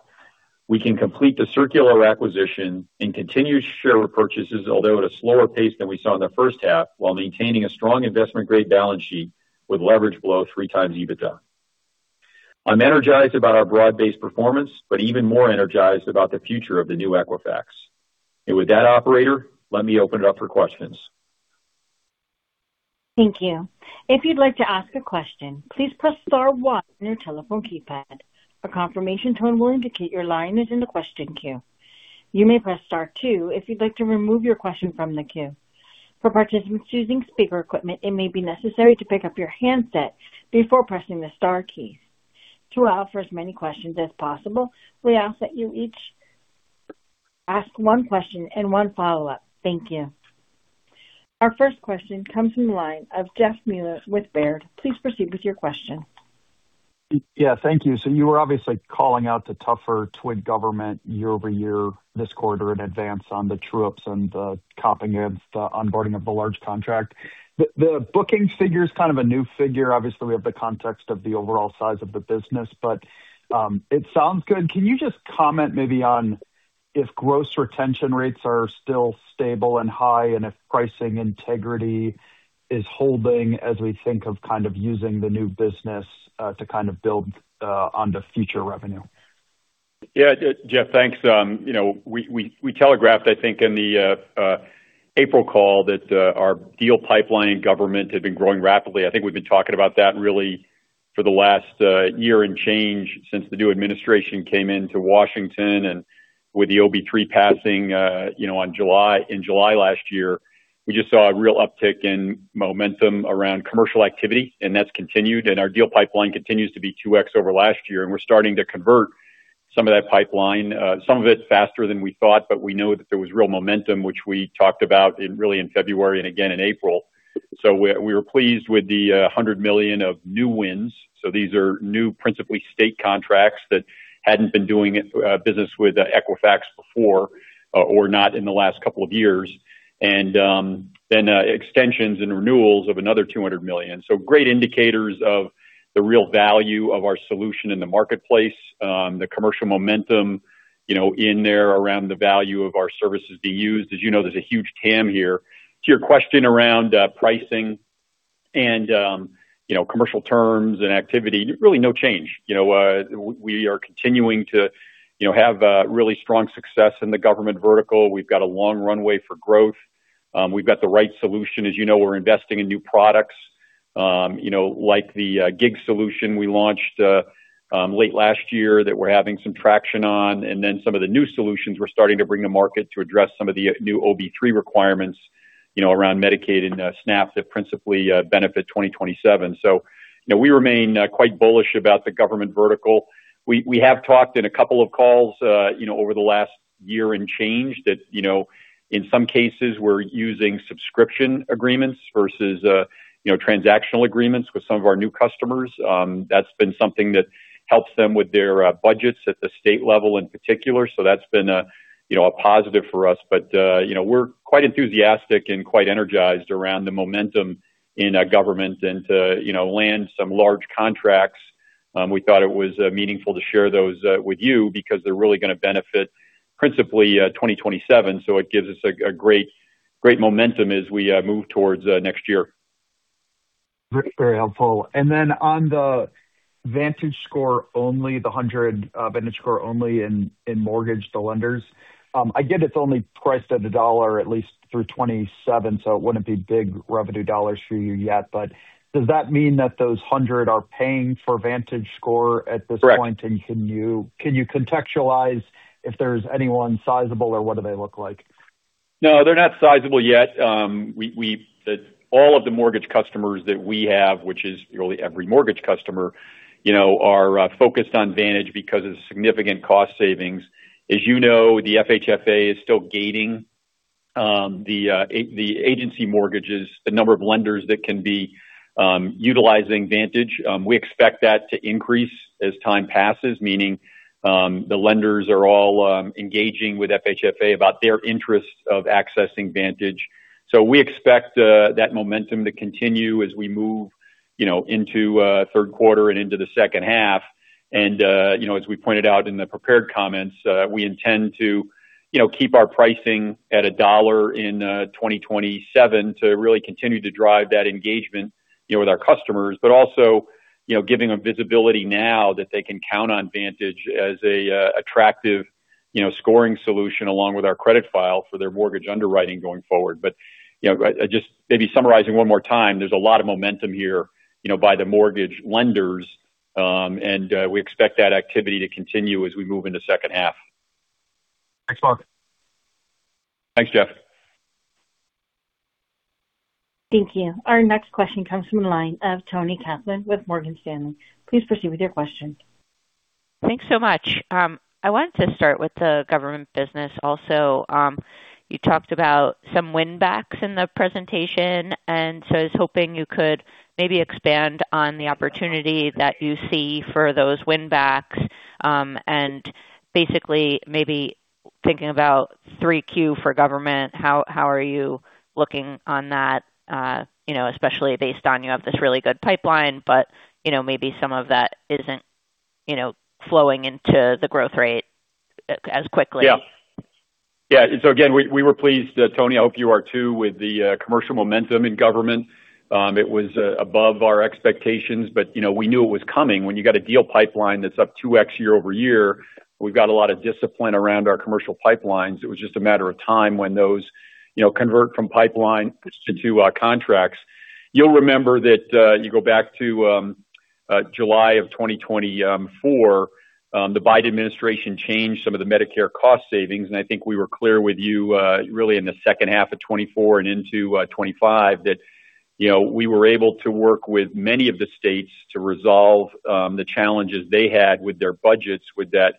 we can complete the Círculo de Crédito acquisition and continue share repurchases, although at a slower pace than we saw in the first half, while maintaining a strong investment-grade balance sheet with leverage below 3x EBITDA. I'm energized about our broad-based performance, but even more energized about the future of the new Equifax. With that operator, let me open it up for questions. Thank you. If you'd like to ask a question, please press star one on your telephone keypad. A confirmation tone will indicate your line is in the question queue. You may press star two if you'd like to remove your question from the queue. For participants using speaker equipment, it may be necessary to pick up your handset before pressing the star key. To allow for as many questions as possible, we ask that you each ask one question and one follow-up. Thank you. Our first question comes from the line of Jeff Meuler with Baird. Please proceed with your question. Yeah, thank you. You were obviously calling out the tougher TWN government year-over-year this quarter in advance on the true-ups and the comping of the onboarding of the large contract. The booking figure's kind of a new figure. Obviously, we have the context of the overall size of the business, but it sounds good. Can you just comment maybe on if gross retention rates are still stable and high, and if pricing integrity is holding as we think of kind of using the new business to kind of build on the future revenue? Yeah. Jeff, thanks. We telegraphed, I think, in the April call that our deal pipeline government had been growing rapidly. I think we've been talking about that really for the last year and change since the new administration came into Washington and with the OBBB passing in July last year. We just saw a real uptick in momentum around commercial activity, and that's continued, and our deal pipeline continues to be 2x over last year, and we're starting to convert some of that pipeline. Some of it faster than we thought, but we know that there was real momentum, which we talked about really in February and again in April. We were pleased with the $100 million of new wins. These are new principally state contracts that hadn't been doing business with Equifax before or not in the last couple of years. Then extensions and renewals of another $200 million. Great indicators of the real value of our solution in the marketplace. The commercial momentum in there around the value of our services being used. As you know, there's a huge TAM here. To your question around pricing and commercial terms and activity, really no change. We are continuing to have really strong success in the government vertical. We've got a long runway for growth. We've got the right solution. As you know, we're investing in new products like the gig solution we launched late last year that we're having some traction on, and then some of the new solutions we're starting to bring to market to address some of the new OBBB requirements around Medicaid and SNAP that principally benefit 2027. We remain quite bullish about the government vertical. We have talked in a couple of calls over the last year and change that, in some cases, we're using subscription agreements versus transactional agreements with some of our new customers. That's been something that helps them with their budgets at the state level in particular. That's been a positive for us. We're quite enthusiastic and quite energized around the momentum in government and to land some large contracts. We thought it was meaningful to share those with you because they're really going to benefit principally 2027. It gives us a great momentum as we move towards next year. Very helpful. On the VantageScore only, the 100 VantageScore only in mortgage to lenders. I get it's only priced at $1, at least through 2027, so it wouldn't be big revenue dollars for you yet. Does that mean that those 100 are paying for VantageScore at this point? Correct. Can you contextualize if there's anyone sizable, or what do they look like? No, they're not sizable yet. All of the mortgage customers that we have, which is really every mortgage customer are focused on Vantage because of the significant cost savings. As you know, the FHFA is still gating the agency mortgages, the number of lenders that can be utilizing Vantage. We expect that to increase as time passes, meaning the lenders are all engaging with FHFA about their interests of accessing Vantage. We expect that momentum to continue as we move into third quarter and into the second half. As we pointed out in the prepared comments, we intend to keep our pricing at $1 in 2027 to really continue to drive that engagement with our customers, but also giving them visibility now that they can count on Vantage as a attractive scoring solution along with our credit file for their mortgage underwriting going forward. Just maybe summarizing one more time, there's a lot of momentum here by the mortgage lenders. We expect that activity to continue as we move into second half. Thanks a lot. Thanks, Jeff. Thank you. Our next question comes from the line of Toni Kaplan with Morgan Stanley. Please proceed with your question. Thanks so much. I wanted to start with the government business also. You talked about some win-backs in the presentation, and so I was hoping you could maybe expand on the opportunity that you see for those win-backs, and basically maybe thinking about 3Q for government, how are you looking on that, especially based on you have this really good pipeline, but maybe some of that isn't flowing into the growth rate as quickly. Yeah. Again, we were pleased, Toni, I hope you are too, with the commercial momentum in government. It was above our expectations, but we knew it was coming when you got a deal pipeline that's up 2x year-over-year. We've got a lot of discipline around our commercial pipelines. It was just a matter of time when those convert from pipeline to contracts. You'll remember that you go back to July 2024, the Biden administration changed some of the Medicare cost savings, and I think we were clear with you really in the second half of 2024 and into 2025 that we were able to work with many of the states to resolve the challenges they had with their budgets, with that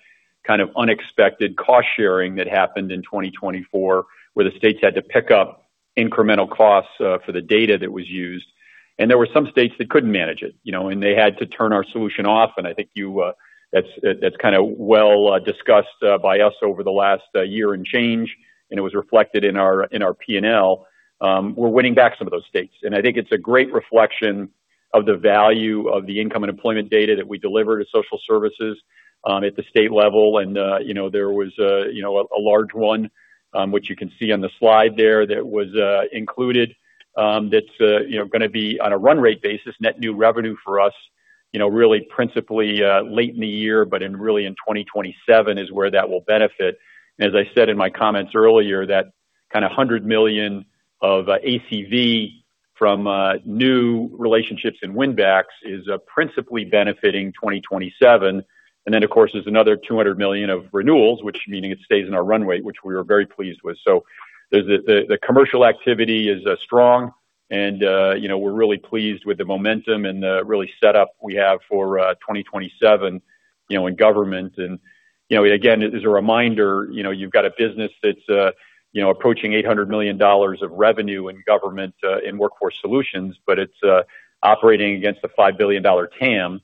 kind of unexpected cost sharing that happened in 2024, where the states had to pick up incremental costs for the data that was used. There were some states that couldn't manage it, and they had to turn our solution off. I think that's kind of well discussed by us over the last year and change, and it was reflected in our P&L. We're winning back some of those states, and I think it's a great reflection of the value of the income and employment data that we deliver to social services at the state level. There was a large one, which you can see on the slide there that was included that's going to be on a run rate basis, net new revenue for us really principally late in the year, but really in 2027 is where that will benefit. As I said in my comments earlier, that kind of $100 million of ACV from new relationships and win backs is principally benefiting 2027. Of course, there's another $200 million of renewals, which meaning it stays in our runway, which we are very pleased with. The commercial activity is strong and we're really pleased with the momentum and the really set up we have for 2027 in government. Again, as a reminder, you've got a business that's approaching $800 million of revenue in government in Workforce Solutions, but it's operating against a $5 billion TAM.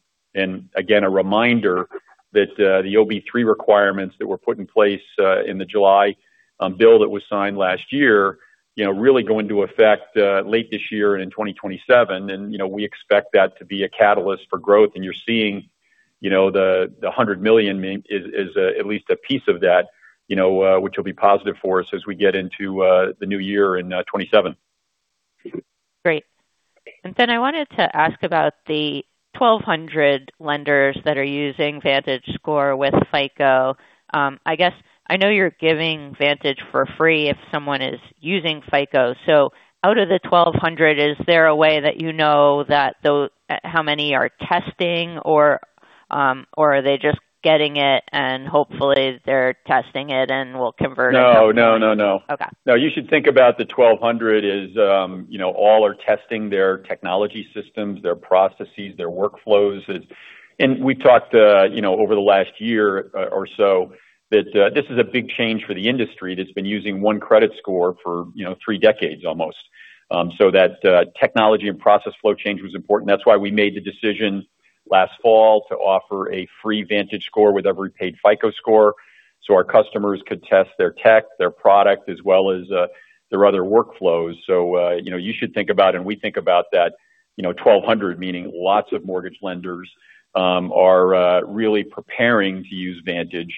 Again, a reminder that the OBBB requirements that were put in place in the July bill that was signed last year really go into effect late this year and in 2027. We expect that to be a catalyst for growth. You're seeing the $100 million is at least a piece of that which will be positive for us as we get into the new year in 2027. Great. I wanted to ask about the 1,200 lenders that are using VantageScore with FICO. I know you're giving VantageScore for free if someone is using FICO. Out of the 1,200, is there a way that you know how many are testing or are they just getting it and hopefully they're testing it and will convert at some point? No. Okay. No, you should think about the 1,200 as all are testing their technology systems, their processes, their workflows. We've talked over the last year or so that this is a big change for the industry that's been using one credit score for three decades almost. That technology and process flow change was important. That's why we made the decision last fall to offer a free VantageScore with every paid FICO score so our customers could test their tech, their product, as well as their other workflows. You should think about, and we think about that 1,200 meaning lots of mortgage lenders are really preparing to use Vantage.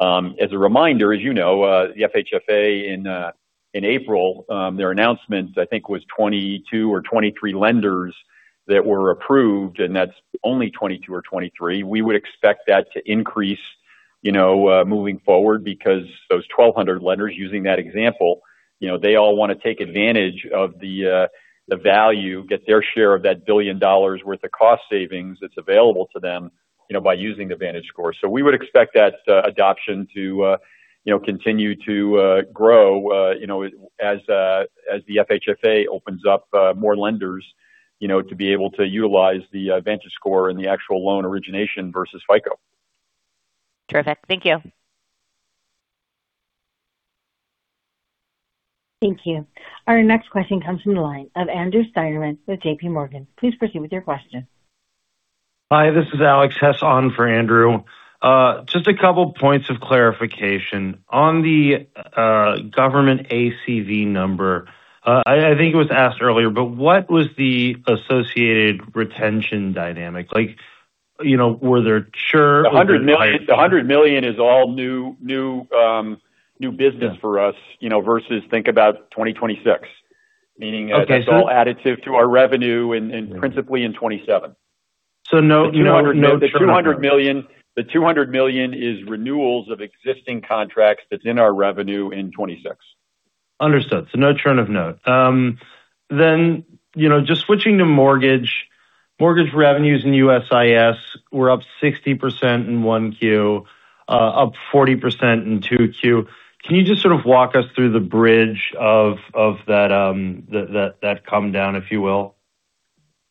As a reminder, as you know, the FHFA in April, their announcement, I think, was 22 or 23 lenders that were approved, and that's only 22 or 23. We would expect that to increase moving forward because those 1,200 lenders using that example, they all want to take advantage of the value, get their share of that $1 billion worth of cost savings that's available to them by using the VantageScore. We would expect that adoption to continue to grow as the FHFA opens up more lenders to be able to utilize the VantageScore in the actual loan origination versus FICO. Terrific. Thank you. Thank you. Our next question comes from the line of Andrew Steinerman with JPMorgan. Please proceed with your question. Hi, this is Alex Hess on for Andrew. Just a couple points of clarification. On the government ACV number, I think it was asked earlier, What was the associated retention dynamic? Were there churn or was it. The $100 million is all new business for us versus think about 2026, that's all additive to our revenue and principally in 2027. No churn on those. The $200 million is renewals of existing contracts that's in our revenue in 2026. Understood. No churn of note. Just switching to mortgage. Mortgage revenues in USIS were up 60% in 1Q, up 40% in 2Q. Can you just sort of walk us through the bridge of that comedown, if you will?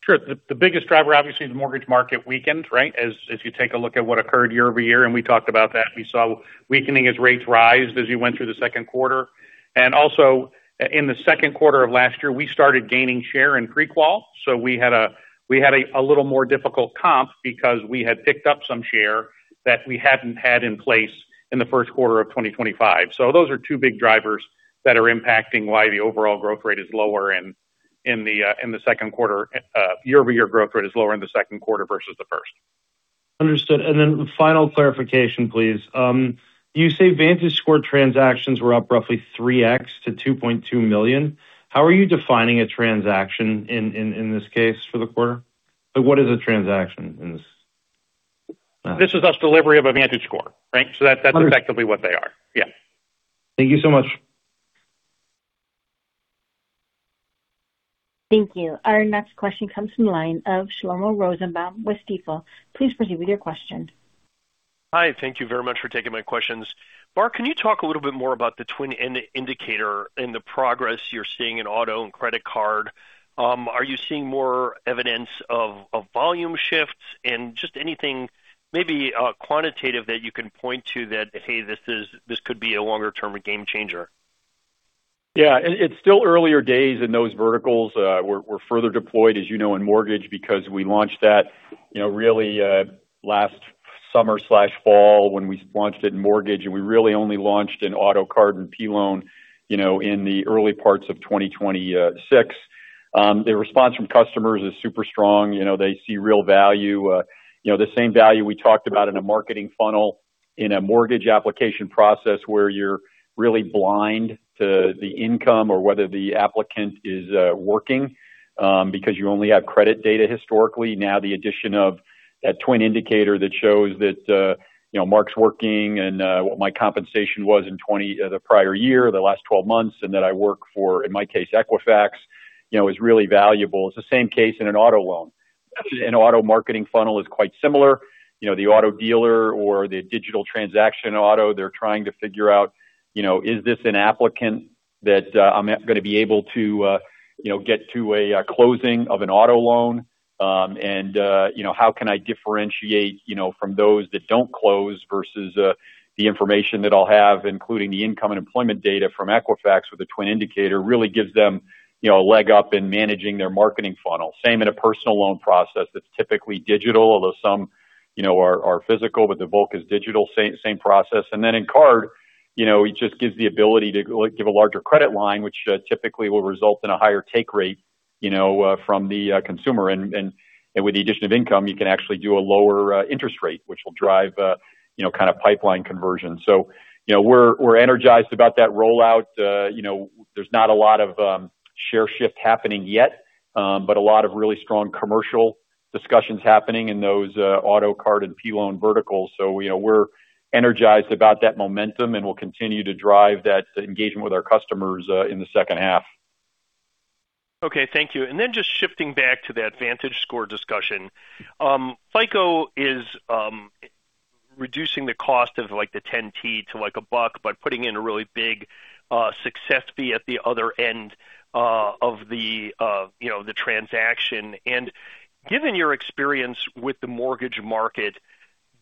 Sure. The biggest driver, obviously, the mortgage market weakened, right? As you take a look at what occurred year-over-year, and we talked about that, we saw weakening as rates rised as you went through the second quarter. Also in the second quarter of last year, we started gaining share in pre-qual, so we had a little more difficult comp because we had picked up some share that we hadn't had in place in the first quarter of 2025. Those are two big drivers that are impacting why the overall growth rate is lower in the second quarter, year-over-year growth rate is lower in the second quarter versus the first. Understood. Then final clarification, please. You say VantageScore transactions were up roughly 3x to 2.2 million. How are you defining a transaction in this case for the quarter? What is a transaction in this? This is just delivery of a VantageScore, right? That's effectively what they are. Yeah. Thank you so much. Thank you. Our next question comes from the line of Shlomo Rosenbaum with Stifel. Please proceed with your question. Hi, thank you very much for taking my questions. Mark, can you talk a little bit more about the TWN Indicator and the progress you're seeing in auto and credit card? Are you seeing more evidence of volume shifts and just anything, maybe quantitative that you can point to that, hey, this could be a longer-term game changer? Yeah. It's still earlier days in those verticals. We're further deployed, as you know, in mortgage because we launched that really last summer/fall when we launched it in mortgage, and we really only launched in auto card and P-loan, in the early parts of 2026. The response from customers is super strong. They see real value. The same value we talked about in a marketing funnel in a mortgage application process where you're really blind to the income or whether the applicant is working because you only have credit data historically. Now, the addition of that TWN Indicator that shows that Mark's working and what my compensation was in the prior year, the last 12 months, and that I work for, in my case, Equifax is really valuable. It's the same case in an auto loan. An auto marketing funnel is quite similar. The auto dealer or the digital transaction auto, they're trying to figure out, is this an applicant that I'm going to be able to get to a closing of an auto loan? How can I differentiate from those that don't close versus the information that I'll have, including the income and employment data from Equifax with a TWN Indicator really gives them a leg up in managing their marketing funnel. Same in a personal loan process that's typically digital, although some are physical, but the bulk is digital, same process. In card, it just gives the ability to give a larger credit line, which typically will result in a higher take rate from the consumer. With the addition of income, you can actually do a lower interest rate, which will drive kind of pipeline conversion. We're energized about that rollout. There's not a lot of share shift happening yet, but a lot of really strong commercial discussions happening in those auto card and P-loan verticals. We're energized about that momentum, and we'll continue to drive that engagement with our customers in the second half. Okay. Thank you. Just shifting back to that VantageScore discussion. FICO is reducing the cost of the FICO 10T to $1 by putting in a really big success fee at the other end of the transaction. Given your experience with the mortgage market,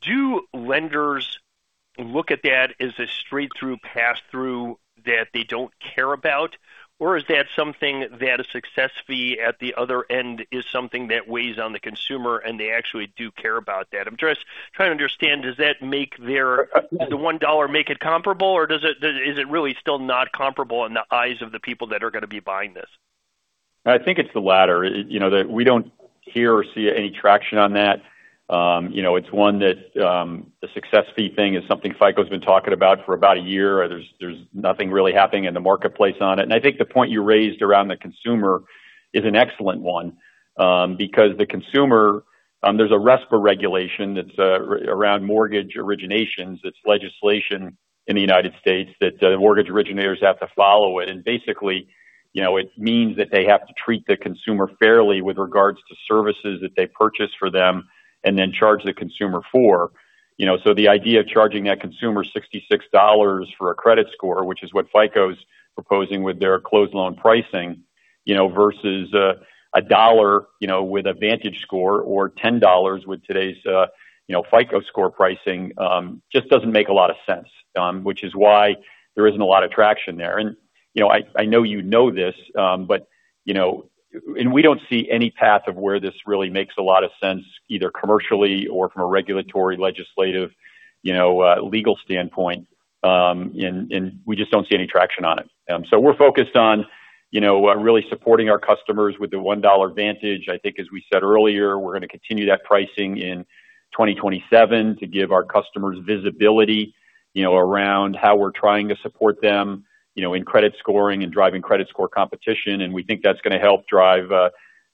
do lenders look at that as a straight-through pass-through that they don't care about? Or is that something that a success fee at the other end is something that weighs on the consumer, and they actually do care about that? I'm just trying to understand, does the $1 make it comparable, or is it really still not comparable in the eyes of the people that are going to be buying this? I think it's the latter. We don't hear or see any traction on that. It's one that, the success fee thing is something FICO's been talking about for about a year. There's nothing really happening in the marketplace on it. I think the point you raised around the consumer is an excellent one because the consumer, there's a RESPA regulation that's around mortgage originations. It's legislation in the U.S. that mortgage originators have to follow it. Basically, it means that they have to treat the consumer fairly with regards to services that they purchase for them and then charge the consumer for. The idea of charging that consumer $66 for a credit score, which is what FICO's proposing with their closed loan pricing, versus $1 with a VantageScore or $10 with today's FICO score pricing, just doesn't make a lot of sense, which is why there isn't a lot of traction there. I know you know this, we don't see any path of where this really makes a lot of sense, either commercially or from a regulatory, legislative, legal standpoint. We just don't see any traction on it. We're focused on really supporting our customers with the $1 Vantage. I think as we said earlier, we're going to continue that pricing in 2027 to give our customers visibility around how we're trying to support them in credit scoring and driving credit score competition. We think that's going to help drive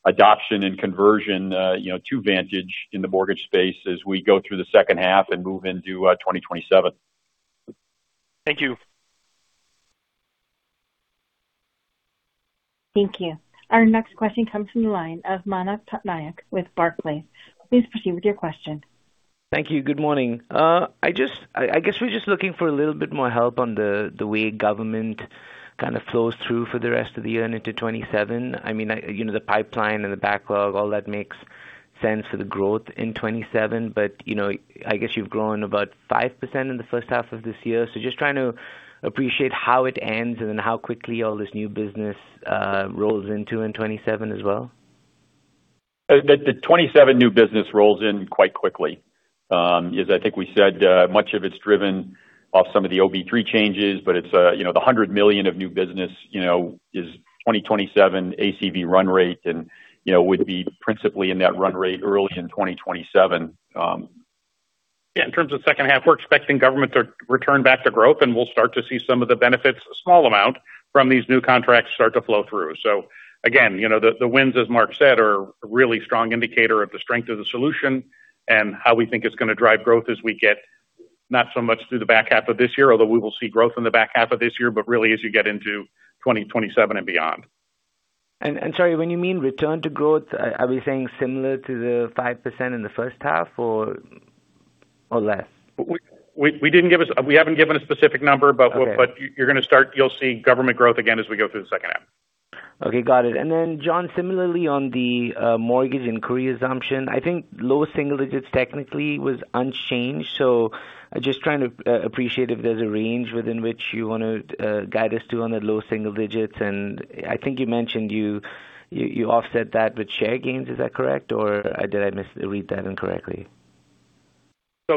adoption and conversion to Vantage in the mortgage space as we go through the second half and move into 2027. Thank you. Thank you. Our next question comes from the line of Manav Patnaik with Barclays. Please proceed with your question. Thank you. Good morning. I guess we're just looking for a little bit more help on the way government kind of flows through for the rest of the year and into 2027. The pipeline and the backlog, all that makes sense for the growth in 2027. I guess you've grown about 5% in the first half of this year. Just trying to appreciate how it ends and then how quickly all this new business rolls into in 2027 as well. The 2027 new business rolls in quite quickly. As I think we said, much of it's driven off some of the OBBB changes, but the $100 million of new business is 2027 ACV run rate and would be principally in that run rate early in 2027. Yeah. In terms of second half, we're expecting government to return back to growth, and we'll start to see some of the benefits, a small amount, from these new contracts start to flow through. Again, the wins, as Mark said, are a really strong indicator of the strength of the solution and how we think it's going to drive growth as we get not so much through the back half of this year, although we will see growth in the back half of this year, but really as you get into 2027 and beyond. Sorry, when you mean return to growth, are we saying similar to the 5% in the first half or less? We haven't given a specific number. Okay. You'll see government growth again as we go through the second half. Okay, got it. John, similarly on the mortgage inquiry assumption, I think low single digits technically was unchanged. Just trying to appreciate if there's a range within which you want to guide us to on the low single digits. I think you mentioned you offset that with share gains. Is that correct, or did I misread that incorrectly? I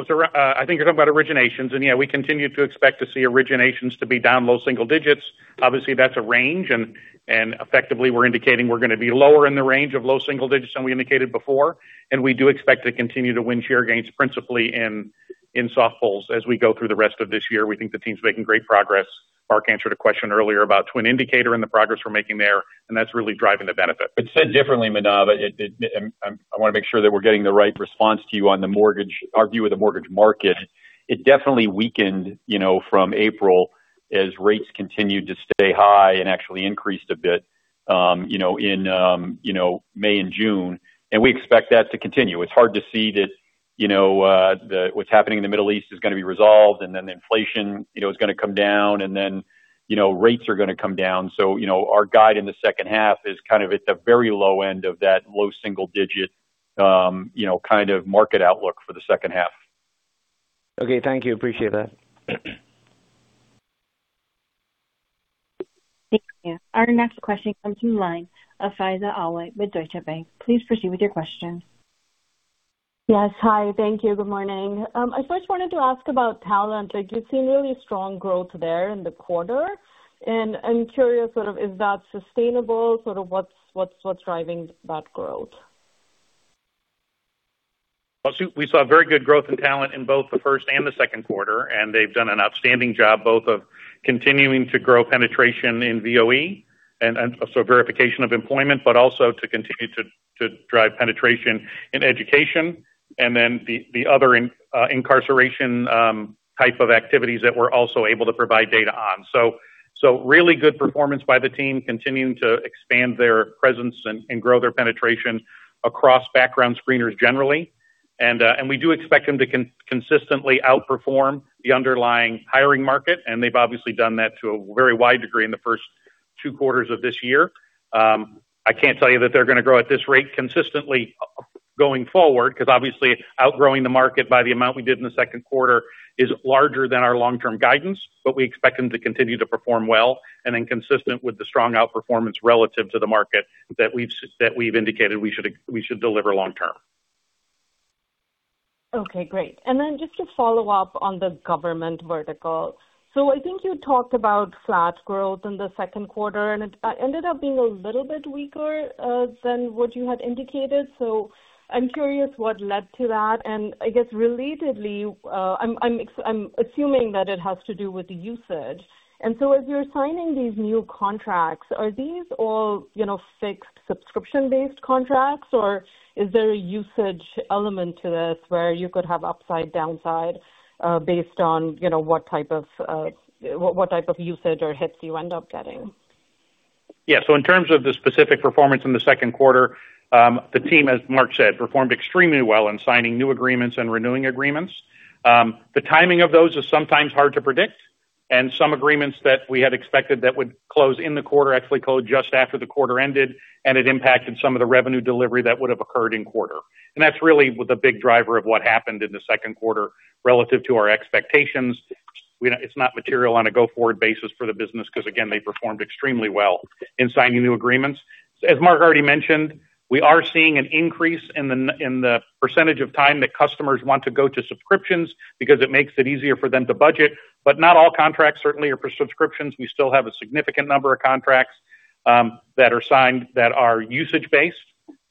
think you're talking about originations. Yeah, we continue to expect to see originations to be down low single digits. Obviously, that's a range, and effectively, we're indicating we're going to be lower in the range of low single digits than we indicated before. We do expect to continue to win share gains principally in soft pulls as we go through the rest of this year. We think the team's making great progress. Mark answered a question earlier about TWN Indicator and the progress we're making there, and that's really driving the benefit. It said differently, Manav, I want to make sure that we're getting the right response to you on our view of the mortgage market. It definitely weakened from April as rates continued to stay high and actually increased a bit in May and June, and we expect that to continue. It's hard to see that what's happening in the Middle East is going to be resolved and then inflation is going to come down, and then rates are going to come down. Our guide in the second half is kind of at the very low end of that low single-digit kind of market outlook for the second half. Thank you. Appreciate that. Thank you. Our next question comes from the line of Faiza Alwy with Deutsche Bank. Please proceed with your question. Thank you. Good morning. I first wanted to ask about talent. You've seen really strong growth there in the quarter, I'm curious sort of is that sustainable? What's driving that growth? We saw very good growth in Workforce Solutions in both the first and the second quarter, and they've done an outstanding job both of continuing to grow penetration in VOE, and so verification of employment, but also to continue to drive penetration in education The other incarceration type of activities that we're also able to provide data on. Really good performance by the team, continuing to expand their presence and grow their penetration across background screeners generally. We do expect them to consistently outperform the underlying hiring market, and they've obviously done that to a very wide degree in the first two quarters of this year. I can't tell you that they're going to grow at this rate consistently going forward, because obviously outgrowing the market by the amount we did in the second quarter is larger than our long-term guidance. We expect them to continue to perform well and then consistent with the strong outperformance relative to the market that we've indicated we should deliver long term. Okay, great. Just to follow up on the government vertical. I think you talked about flat growth in the second quarter, and it ended up being a little bit weaker than what you had indicated. I'm curious what led to that. I guess relatedly, I'm assuming that it has to do with the usage. As you're signing these new contracts, are these all fixed subscription-based contracts, or is there a usage element to this where you could have upside downside based on what type of usage or hits you end up getting? Yeah. In terms of the specific performance in the second quarter, the team, as Mark said, performed extremely well in signing new agreements and renewing agreements. The timing of those is sometimes hard to predict, and some agreements that we had expected that would close in the quarter actually closed just after the quarter ended, and it impacted some of the revenue delivery that would have occurred in quarter. That's really the big driver of what happened in the second quarter relative to our expectations. It's not material on a go-forward basis for the business because, again, they performed extremely well in signing new agreements. As Mark already mentioned, we are seeing an increase in the percentage of time that customers want to go to subscriptions because it makes it easier for them to budget. Not all contracts certainly are for subscriptions. We still have a significant number of contracts that are signed that are usage-based,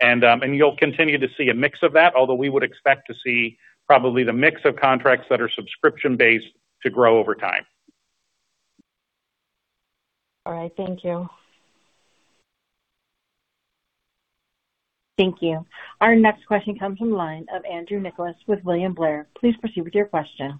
you'll continue to see a mix of that, although we would expect to see probably the mix of contracts that are subscription-based to grow over time. All right. Thank you. Thank you. Our next question comes from the line of Andrew Nicholas with William Blair. Please proceed with your question.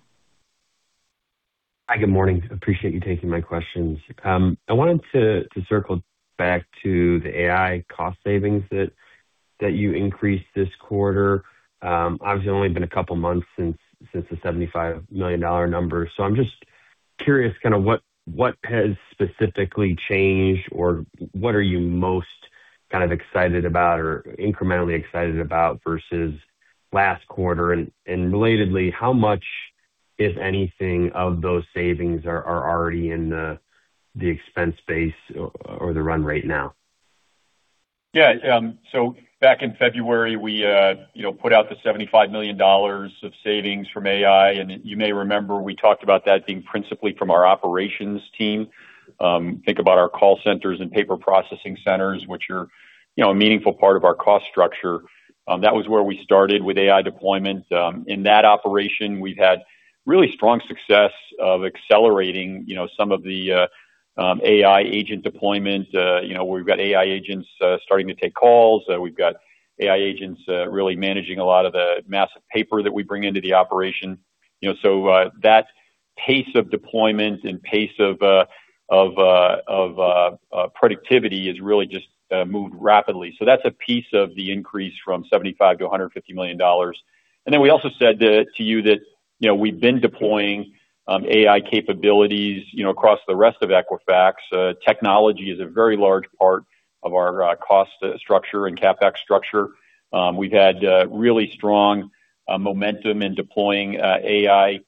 Hi, good morning. Appreciate you taking my questions. I wanted to circle back to the AI cost savings that you increased this quarter. Obviously, only been a couple of months since the $75 million number. I'm just curious what has specifically changed or what are you most kind of excited about or incrementally excited about versus last quarter? Relatedly, how much, if anything, of those savings are already in the expense base or the run rate now? Yeah. Back in February, we put out the $75 million of savings from AI, and you may remember we talked about that being principally from our operations team. Think about our call centers and paper processing centers, which are a meaningful part of our cost structure. That was where we started with AI deployment. In that operation, we've had really strong success of accelerating some of the AI agent deployment. We've got AI agents starting to take calls. We've got AI agents really managing a lot of the massive paper that we bring into the operation. That pace of deployment and pace of productivity has really just moved rapidly. That's a piece of the increase from $75 million-$150 million. We also said to you that we've been deploying AI capabilities across the rest of Equifax. Technology is a very large part of our cost structure and CapEx structure. We've had really strong momentum in deploying AI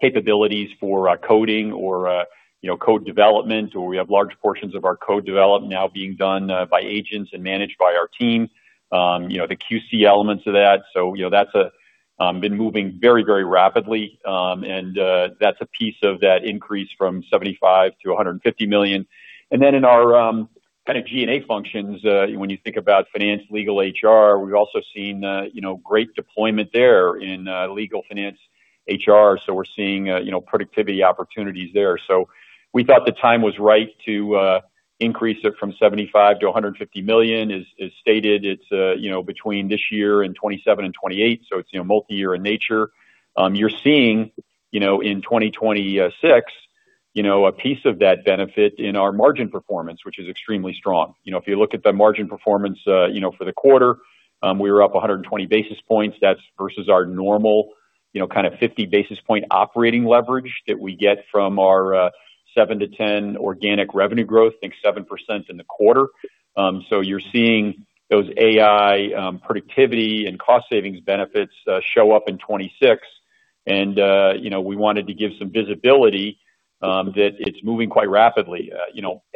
capabilities for coding or code development, where we have large portions of our code development now being done by agents and managed by our team. The QC elements of that. That's been moving very rapidly, and that's a piece of that increase from $75 million-$150 million. In our kind of G&A functions, when you think about finance, legal, HR, we've also seen great deployment there in legal, finance, HR. We're seeing productivity opportunities there. We thought the time was right to increase it from $75 million-$150 million. As stated, it's between this year and 2027 and 2028, so it's multi-year in nature. You're seeing in 2026 a piece of that benefit in our margin performance, which is extremely strong. If you look at the margin performance for the quarter, we were up 120 basis points. That's versus our normal kind of 50 basis point operating leverage that we get from our 7%-10% organic revenue growth. I think 7% in the quarter. You're seeing those AI productivity and cost savings benefits show up in 2026. We wanted to give some visibility that it's moving quite rapidly.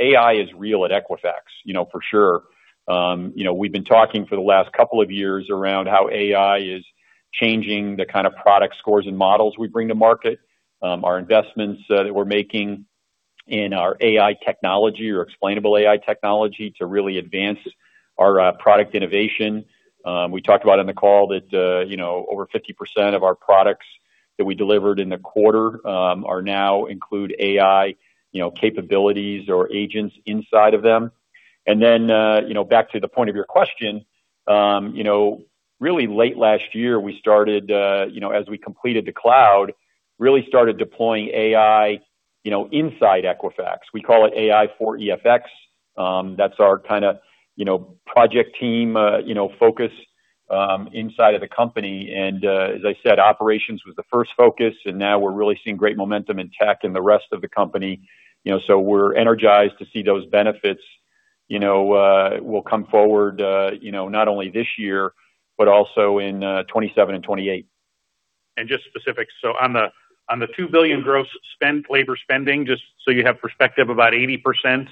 AI is real at Equifax for sure. We've been talking for the last couple of years around how AI is changing the kind of product scores and models we bring to market, our investments that we're making in our AI technology or explainable AI technology to really advance our product innovation. We talked about in the call that over 50% of our products That we delivered in the quarter now include AI capabilities or agents inside of them. Back to the point of your question, really late last year, as we completed the cloud, really started deploying AI inside Equifax. We call it AI for EFX. That's our kind of project team focus inside of the company. As I said, operations was the first focus, and now we're really seeing great momentum in tech and the rest of the company. We're energized to see those benefits will come forward not only this year, but also in 2027 and 2028. Just specifics. On the $2 billion gross labor spending, just so you have perspective, about 80%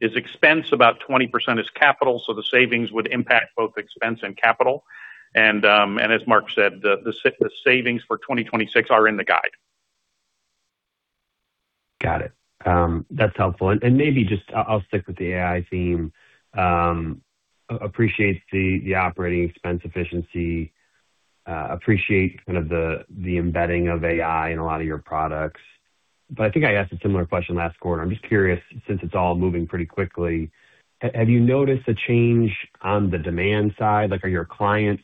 is expense, about 20% is capital. The savings would impact both expense and capital. As Mark said, the savings for 2026 are in the guide. Got it. That's helpful. Maybe just I'll stick with the AI theme. Appreciate the operating expense efficiency, appreciate kind of the embedding of AI in a lot of your products. I think I asked a similar question last quarter. I'm just curious, since it's all moving pretty quickly, have you noticed a change on the demand side? Are your clients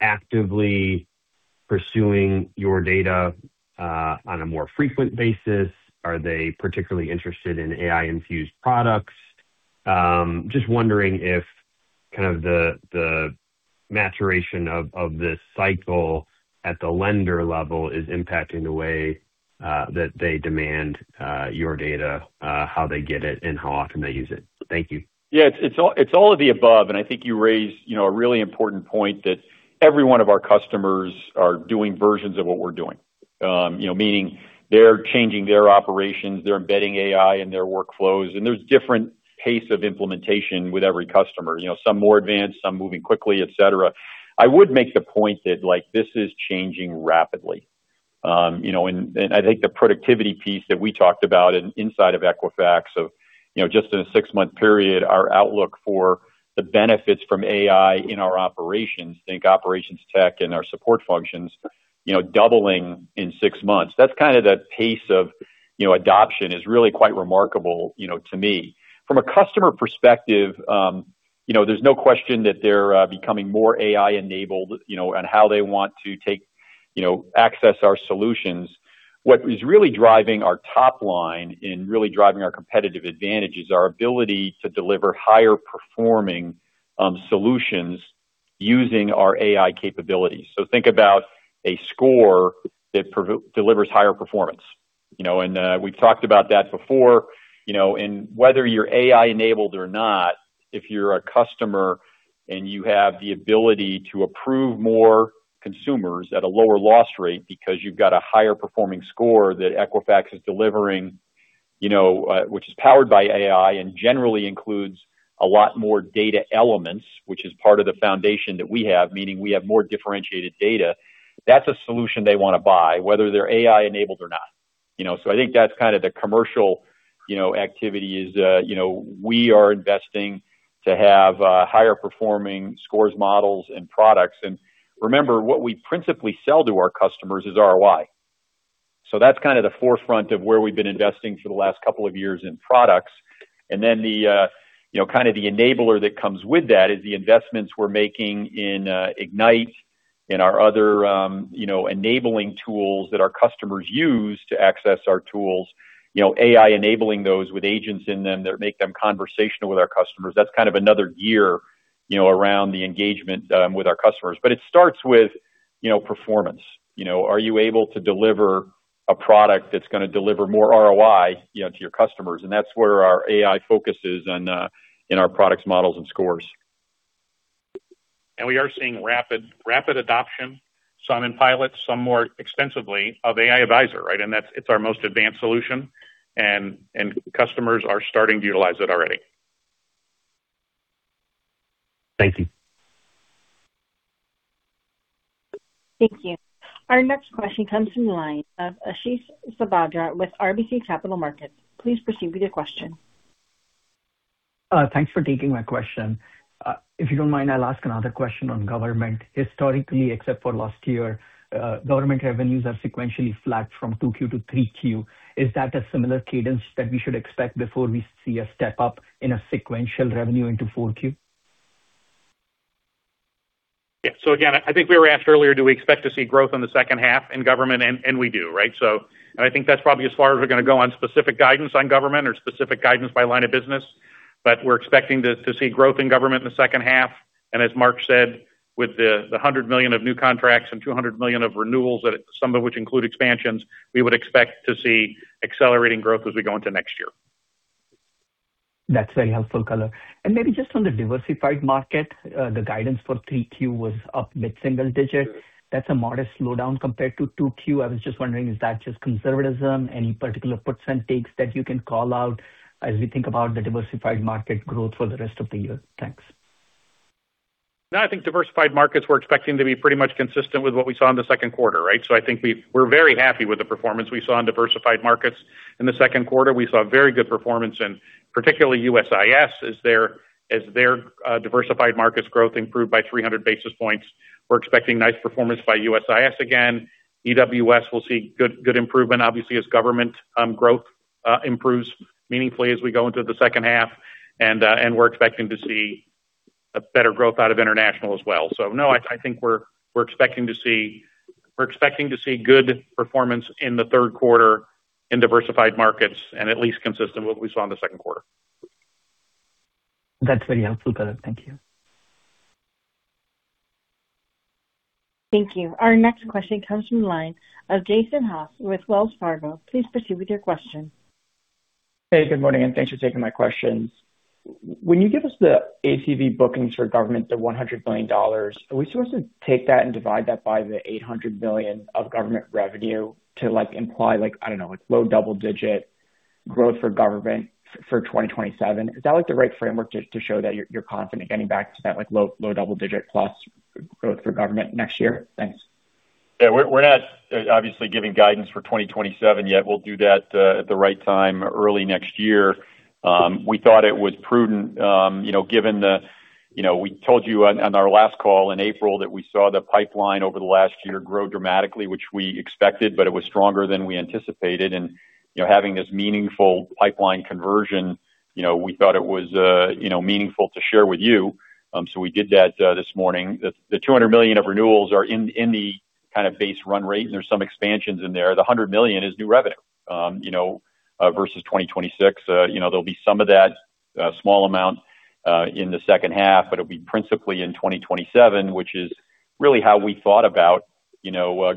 actively pursuing your data on a more frequent basis? Are they particularly interested in AI infused products? Just wondering if kind of the maturation of this cycle at the lender level is impacting the way that they demand your data, how they get it, and how often they use it. Thank you. Yeah. It's all of the above. I think you raised a really important point that every one of our customers are doing versions of what we're doing. Meaning they're changing their operations, they're embedding AI in their workflows, there's different pace of implementation with every customer. Some more advanced, some moving quickly, et cetera. I would make the point that this is changing rapidly. I think the productivity piece that we talked about inside of Equifax of just in a six-month period, our outlook for the benefits from AI in our operations, think operations tech and our support functions doubling in six months. That's kind of the pace of adoption is really quite remarkable to me. From a customer perspective, there's no question that they're becoming more AI enabled in how they want to access our solutions. What is really driving our top line and really driving our competitive advantage is our ability to deliver higher performing solutions using our AI capabilities. Think about a score that delivers higher performance. We've talked about that before, and whether you're AI enabled or not, if you're a customer and you have the ability to approve more consumers at a lower loss rate because you've got a higher performing score that Equifax is delivering which is powered by AI and generally includes a lot more data elements, which is part of the foundation that we have, meaning we have more differentiated data. That's a solution they want to buy, whether they're AI enabled or not. I think that's kind of the commercial activity is we are investing to have higher performing scores, models, and products. Remember, what we principally sell to our customers is ROI. That's kind of the forefront of where we've been investing for the last couple of years in products. The kind of the enabler that comes with that is the investments we're making in Equifax Ignite and our other enabling tools that our customers use to access our tools. AI enabling those with agents in them that make them conversational with our customers. That's kind of another gear around the engagement with our customers. It starts with performance. Are you able to deliver a product that's going to deliver more ROI to your customers? That's where our AI focus is in our products, models, and scores. We are seeing rapid adoption, some in pilot, some more extensively of AI Advisor. It's our most advanced solution, and customers are starting to utilize it already. Thank you. Thank you. Our next question comes from the line of Ashish Sabadra with RBC Capital Markets. Please proceed with your question. Thanks for taking my question. If you don't mind, I'll ask another question on government. Historically, except for last year, government revenues are sequentially flat from 2Q to 3Q. Is that a similar cadence that we should expect before we see a step up in a sequential revenue into 4Q? Yeah. Again, I think we were asked earlier, do we expect to see growth in the second half in government? We do. I think that's probably as far as we're going to go on specific guidance on government or specific guidance by line of business. We're expecting to see growth in government in the second half. As Mark said, with the $100 million of new contracts and $200 million of renewals, some of which include expansions, we would expect to see accelerating growth as we go into next year. That's very helpful color. Maybe just on the diversified market, the guidance for 3Q was up mid-single digit. That's a modest slowdown compared to 2Q. I was just wondering, is that just conservatism? Any particular puts and takes that you can call out as we think about the diversified market growth for the rest of the year? Thanks. No, I think diversified markets we're expecting to be pretty much consistent with what we saw in the second quarter. I think we're very happy with the performance we saw in diversified markets in the second quarter. We saw very good performance in particularly USIS as their diversified markets growth improved by 300 basis points. We're expecting nice performance by USIS again. EWS will see good improvement obviously as government growth improves meaningfully as we go into the second half. We're expecting to see a better growth out of international as well. No, I think we're expecting to see good performance in the third quarter in diversified markets and at least consistent with what we saw in the second quarter. That's very helpful, color. Thank you. Thank you. Our next question comes from the line of Jason Haas with Wells Fargo. Please proceed with your question. Hey, good morning. Thanks for taking my questions. When you give us the ACV bookings for government, the $100 million, are we supposed to take that and divide that by the $800 million of government revenue to imply like, I don't know, low double-digit growth for government for 2027? Is that the right framework to show that you're confident getting back to that low double-digit plus growth for government next year? Thanks. We're not obviously giving guidance for 2027 yet. We'll do that at the right time early next year. We thought it was prudent. We told you on our last call in April that we saw the pipeline over the last year grow dramatically, which we expected, but it was stronger than we anticipated. Having this meaningful pipeline conversion, we thought it was meaningful to share with you. We did that this morning. The $200 million of renewals are in the kind of base run rate, and there's some expansions in there. The $100 million is new revenue versus 2026. There'll be some of that small amount in the second half, but it'll be principally in 2027, which is really how we thought about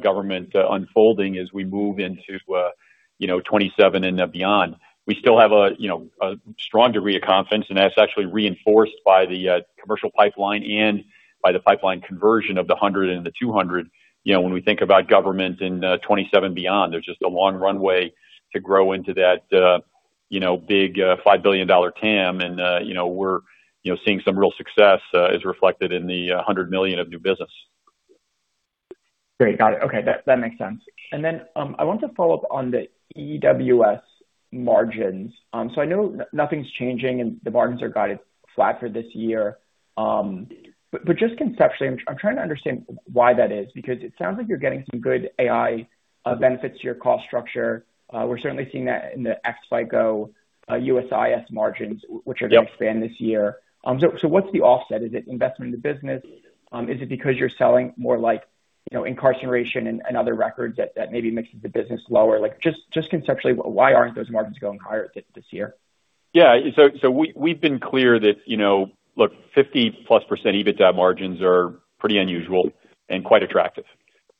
government unfolding as we move into 2027 and beyond. We still have a strong degree of confidence, and that's actually reinforced by the commercial pipeline and by the pipeline conversion of the $100 and the $200. When we think about government in 2027 beyond, there's just a long runway to grow into that big $5 billion TAM, and we're seeing some real success as reflected in the $100 million of new business. Great. Got it. Okay. That makes sense. I want to follow up on the EWS margins. I know nothing's changing, and the margins are guided flat for this year. Just conceptually, I'm trying to understand why that is because it sounds like you're getting some good AI benefits to your cost structure. We're certainly seeing that in the ex-FICO USIS margins. Yep. Which are going to expand this year. What's the offset? Is it investment in the business? Is it because you're selling more incarceration and other records that maybe makes the business lower? Just conceptually, why aren't those margins going higher this year? We've been clear that look, 50%+ EBITDA margins are pretty unusual and quite attractive.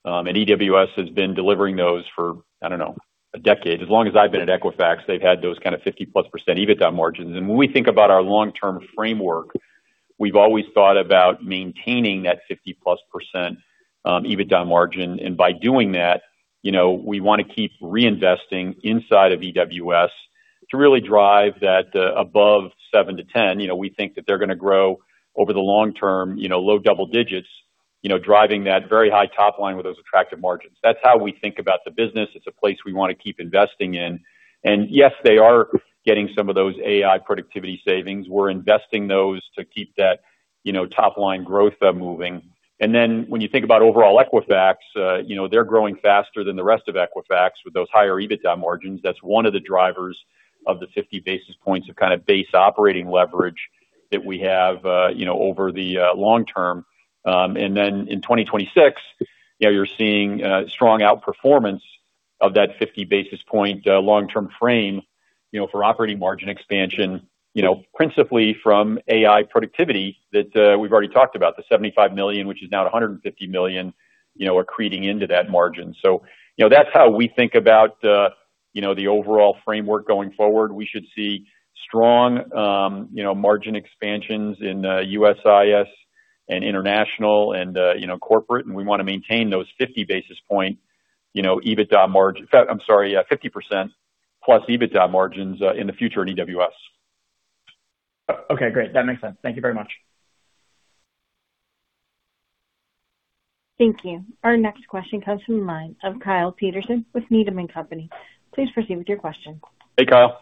EWS has been delivering those for, I don't know, a decade. As long as I've been at Equifax, they've had those kind of 50%+ EBITDA margins. When we think about our long-term framework, we've always thought about maintaining that 50%+ EBITDA margin. By doing that, we want to keep reinvesting inside of EWS to really drive that above seven to 10. We think that they're going to grow over the long term low double digits, driving that very high top line with those attractive margins. That's how we think about the business. It's a place we want to keep investing in. Yes, they are getting some of those AI productivity savings. We're investing those to keep that top-line growth moving. When you think about overall Equifax, they're growing faster than the rest of Equifax with those higher EBITDA margins. That's one of the drivers of the 50 basis points of kind of base operating leverage that we have over the long term. In 2026, you're seeing strong outperformance of that 50 basis point long-term frame for operating margin expansion principally from AI productivity that we've already talked about, the $75 million, which is now at $150 million, accreting into that margin. That's how we think about the overall framework going forward. We should see strong margin expansions in USIS and international and corporate, and we want to maintain those 50 basis point EBITDA margin, I'm sorry, 50%-plus EBITDA margins in the future at EWS. Okay, great. That makes sense. Thank you very much. Thank you. Our next question comes from the line of Kyle Peterson with Needham & Company. Please proceed with your question. Hey, Kyle.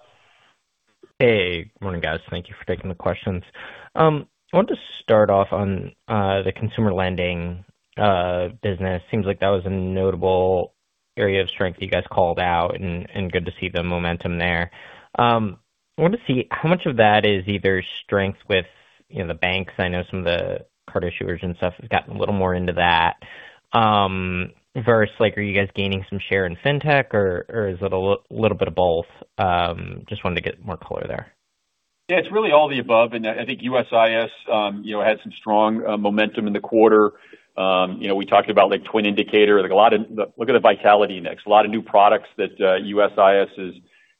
Hey. Good morning, guys. Thank you for taking the questions. I want to start off on the consumer lending business. Seems like that was a notable area of strength you guys called out, and good to see the momentum there. I wanted to see how much of that is either strength with the banks, I know some of the card issuers and stuff have gotten a little more into that, versus are you guys gaining some share in fintech, or is it a little bit of both? Just wanted to get more color there. Yeah, it's really all the above. I think USIS had some strong momentum in the quarter. We talked about the TWN Indicator. Look at Vitality Next. A lot of new products that USIS is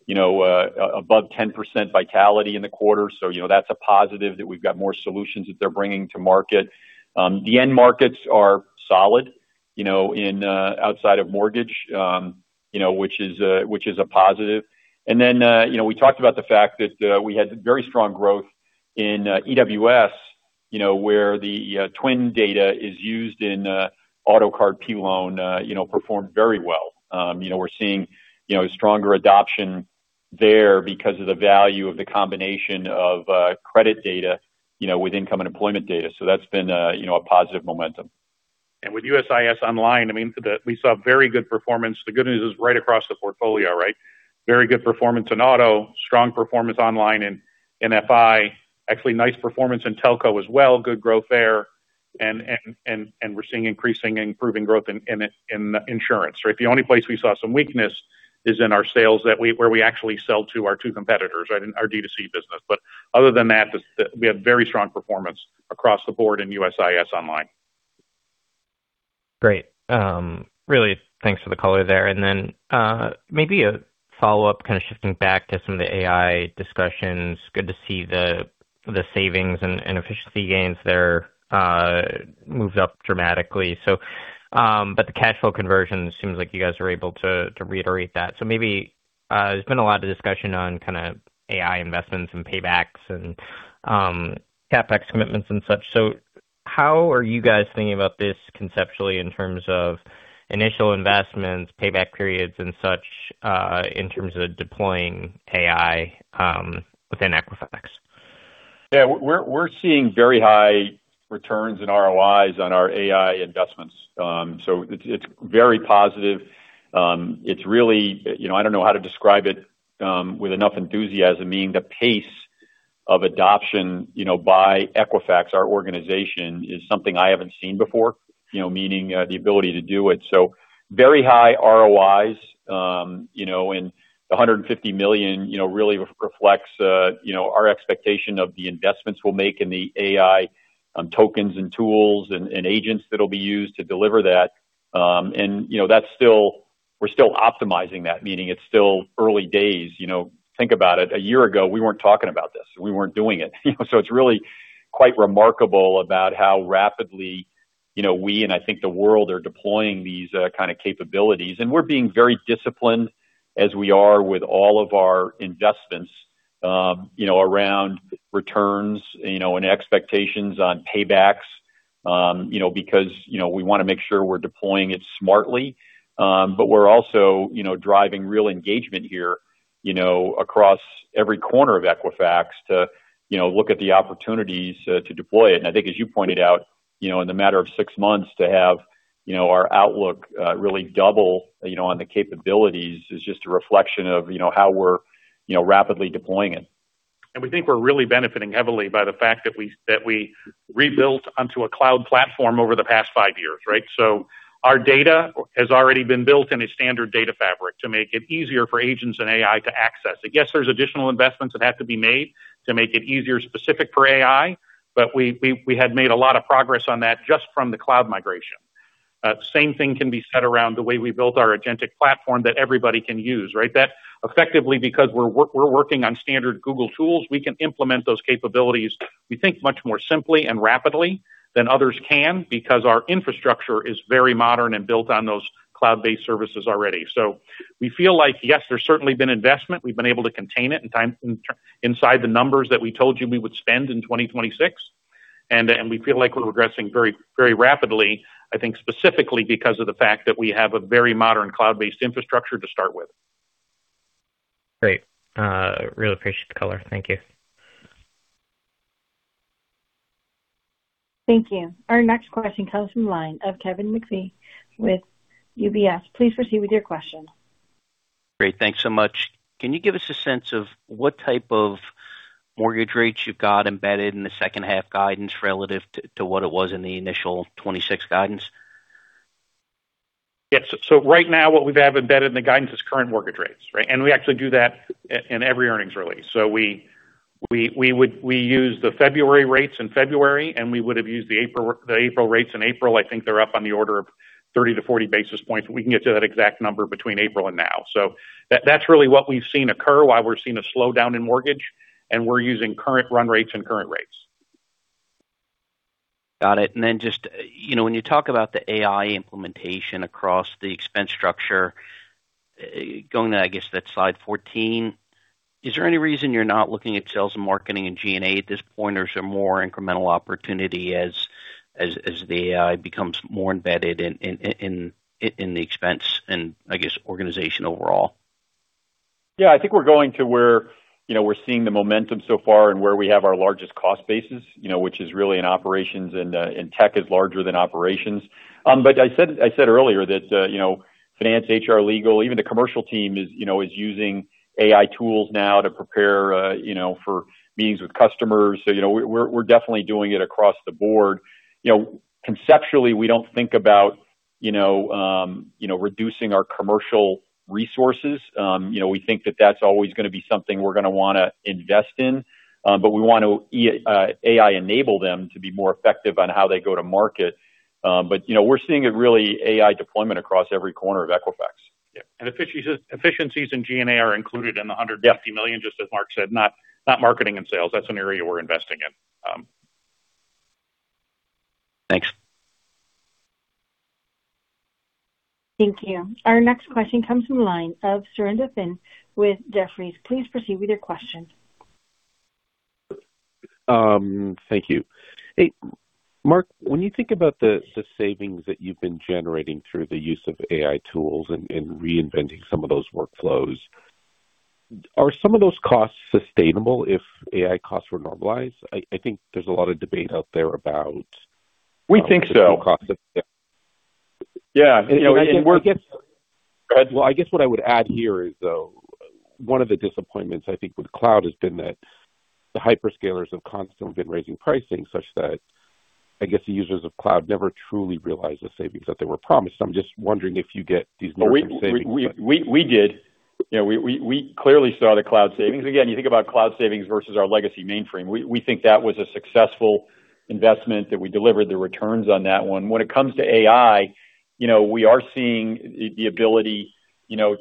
above 10% Vitality Index in the quarter. That's a positive that we've got more solutions that they're bringing to market. The end markets are solid outside of mortgage which is a positive. We talked about the fact that we had very strong growth in EWS, where the TWN data is used in auto card P-loan performed very well. We're seeing stronger adoption there because of the value of the combination of credit data with income and employment data. That's been a positive momentum. With USIS online, we saw very good performance. The good news is right across the portfolio. Very good performance in auto, strong performance online in FI. Actually nice performance in telco as well, good growth there. We're seeing increasing improving growth in insurance. The only place we saw some weakness is in our sales where we actually sell to our two competitors in our D2C business. Other than that, we had very strong performance across the board in USIS online. Great. Really, thanks for the color there. Maybe a follow-up, kind of shifting back to some of the AI discussions. Good to see the savings and efficiency gains there moved up dramatically. The cash flow conversion seems like you guys are able to reiterate that. Maybe there's been a lot of discussion on AI investments and paybacks and CapEx commitments and such. How are you guys thinking about this conceptually in terms of initial investments, payback periods, and such in terms of deploying AI within Equifax? Yeah. We're seeing very high returns in ROIs on our AI investments. It's very positive. I don't know how to describe it with enough enthusiasm, meaning the pace of adoption by Equifax, our organization, is something I haven't seen before, meaning the ability to do it. Very high ROIs and the $150 million really reflects our expectation of the investments we'll make in the AI tokens and tools and agents that'll be used to deliver that. We're still optimizing that, meaning it's still early days. Think about it. A year ago, we weren't talking about this and we weren't doing it. It's really quite remarkable about how rapidly we, and I think the world, are deploying these kind of capabilities. We're being very disciplined as we are with all of our investments around returns and expectations on paybacks because we want to make sure we're deploying it smartly. We're also driving real engagement here across every corner of Equifax to look at the opportunities to deploy it. I think as you pointed out, in the matter of six months to have our outlook really double on the capabilities is just a reflection of how we're rapidly deploying it. We think we're really benefiting heavily by the fact that we rebuilt onto a cloud platform over the past five years. Our data has already been built in a standard data fabric to make it easier for agents and AI to access it. Yes, there's additional investments that have to be made to make it easier specific for AI, but we had made a lot of progress on that just from the cloud migration. Same thing can be said around the way we built our agentic platform that everybody can use. That effectively because we're working on standard Google tools, we can implement those capabilities, we think much more simply and rapidly than others can because our infrastructure is very modern and built on those cloud-based services already. We feel like, yes, there's certainly been investment. We've been able to contain it inside the numbers that we told you we would spend in 2026. We feel like we're progressing very rapidly, I think specifically because of the fact that we have a very modern cloud-based infrastructure to start with. Great. Really appreciate the color. Thank you. Thank you. Our next question comes from the line of Kevin McVeigh with UBS. Please proceed with your question. Great. Thanks so much. Can you give us a sense of what type of mortgage rates you've got embedded in the second half guidance relative to what it was in the initial 2026 guidance? Yes. Right now what we have embedded in the guidance is current mortgage rates. We actually do that in every earnings release. We use the February rates in February, and we would have used the April rates in April. I think they're up on the order of 30-40 basis points. We can get to that exact number between April and now. That's really what we've seen occur while we're seeing a slowdown in mortgage, and we're using current run rates and current rates. Got it. Then just when you talk about the AI implementation across the expense structure, going to, I guess that's slide 14, is there any reason you're not looking at sales and marketing and G&A at this point, or is there more incremental opportunity as the AI becomes more embedded in the expense and I guess organization overall? I think we're going to where we're seeing the momentum so far and where we have our largest cost basis which is really in operations and tech is larger than operations. I said earlier that finance, HR, legal, even the commercial team is using AI tools now to prepare for meetings with customers. We're definitely doing it across the board. Conceptually, we don't think about reducing our commercial resources. We think that that's always going to be something we're going to want to invest in. We want to AI enable them to be more effective on how they go to market. We're seeing really AI deployment across every corner of Equifax. Efficiencies in G&A are included in the $150 million, just as Mark said, not marketing and sales. That's an area we're investing in. Thanks. Thank you. Our next question comes from the line of Surinder Thind with Jefferies. Please proceed with your question. Thank you. Hey, Mark, when you think about the savings that you've been generating through the use of AI tools and reinventing some of those workflows. Are some of those costs sustainable if AI costs were normalized? I think there's a lot of debate out there. We think so the total cost of Yeah. Well, I guess what I would add here is, though, one of the disappointments, I think, with cloud has been that the hyperscalers have constantly been raising pricing such that, I guess, the users of cloud never truly realize the savings that they were promised. I'm just wondering if you get these long-term savings. We did. We clearly saw the cloud savings. Again, you think about cloud savings versus our legacy mainframe. We think that was a successful investment, that we delivered the returns on that one. When it comes to AI, we are seeing the ability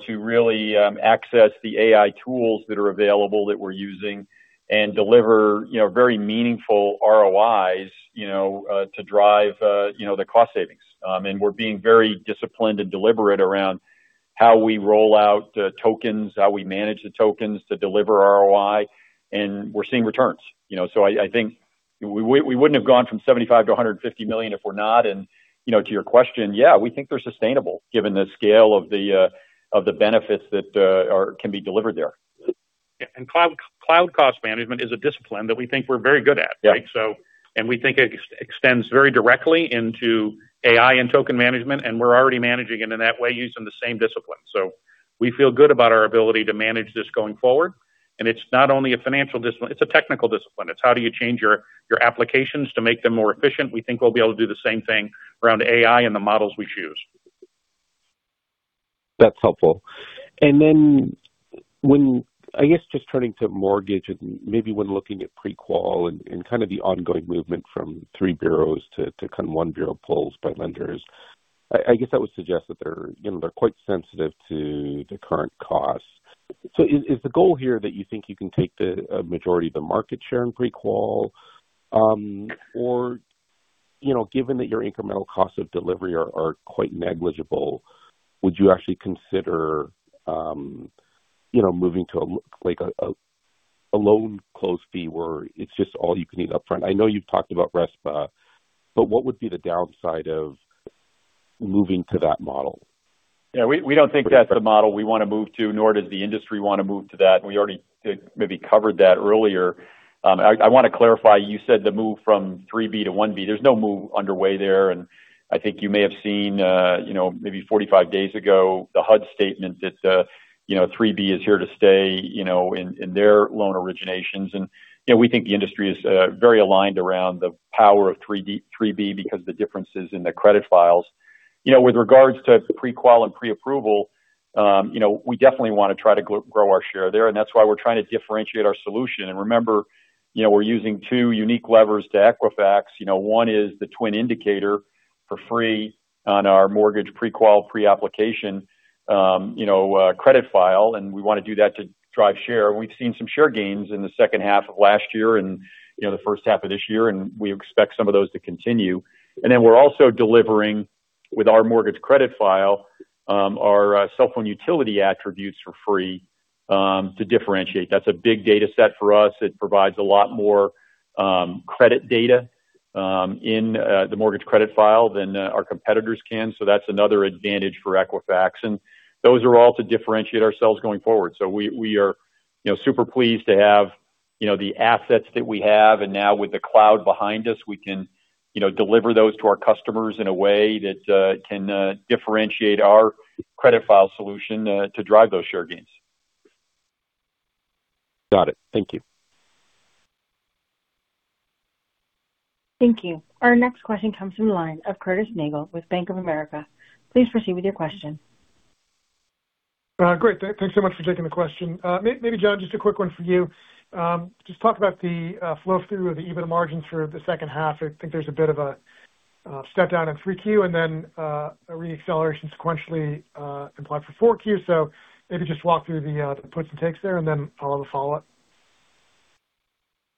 to really access the AI tools that are available that we're using and deliver very meaningful ROIs to drive the cost savings. We're being very disciplined and deliberate around how we roll out the tokens, how we manage the tokens to deliver ROI, and we're seeing returns. I think we wouldn't have gone from $75 million-$150 million if we're not. To your question, yeah, we think they're sustainable given the scale of the benefits that can be delivered there. Yeah. Cloud cost management is a discipline that we think we're very good at. Yeah. We think it extends very directly into AI and token management, and we're already managing it in that way, using the same discipline. We feel good about our ability to manage this going forward. It's not only a financial discipline, it's a technical discipline. It's how do you change your applications to make them more efficient. We think we'll be able to do the same thing around AI and the models we choose. That's helpful. Then I guess just turning to mortgage and maybe when looking at pre-qual and kind of the ongoing movement from three bureaus to one bureau pulls by lenders. I guess I would suggest that they're quite sensitive to the current cost. Is the goal here that you think you can take the majority of the market share in pre-qual? Or, given that your incremental costs of delivery are quite negligible, would you actually consider moving to a loan close fee where it's just all you can eat upfront? I know you've talked about RESPA, but what would be the downside of moving to that model? Yeah. We don't think that's the model we want to move to, nor does the industry want to move to that, we already maybe covered that earlier. I want to clarify, you said the move from 3B to 1B. There's no move underway there, I think you may have seen, maybe 45 days ago, the HUD statement that 3B is here to stay in their loan originations. We think the industry is very aligned around the power of 3B because of the differences in the credit files. With regards to pre-qual and pre-approval, we definitely want to try to grow our share there, that's why we're trying to differentiate our solution. Remember, we're using two unique levers to Equifax. One is the TWN Indicator for free on our mortgage pre-qual, pre-application credit file, we want to do that to drive share. We've seen some share gains in the second half of last year, the first half of this year, we expect some of those to continue. Then we're also delivering with our mortgage credit file, our cell phone utility attributes for free to differentiate. That's a big data set for us. It provides a lot more credit data in the mortgage credit file than our competitors can. That's another advantage for Equifax. Those are all to differentiate ourselves going forward. We are super pleased to have the assets that we have. Now with the cloud behind us, we can deliver those to our customers in a way that can differentiate our credit file solution to drive those share gains. Got it. Thank you. Thank you. Our next question comes from the line of Curtis Nagle with Bank of America. Please proceed with your question. Great. Thanks so much for taking the question. Maybe, John, just a quick one for you. Just talk about the flow through of the EBITDA margin for the second half. I think there's a bit of a step down in 3Q and then a re-acceleration sequentially implied for 4Q. Maybe just walk through the puts and takes there, and then I'll have a follow-up.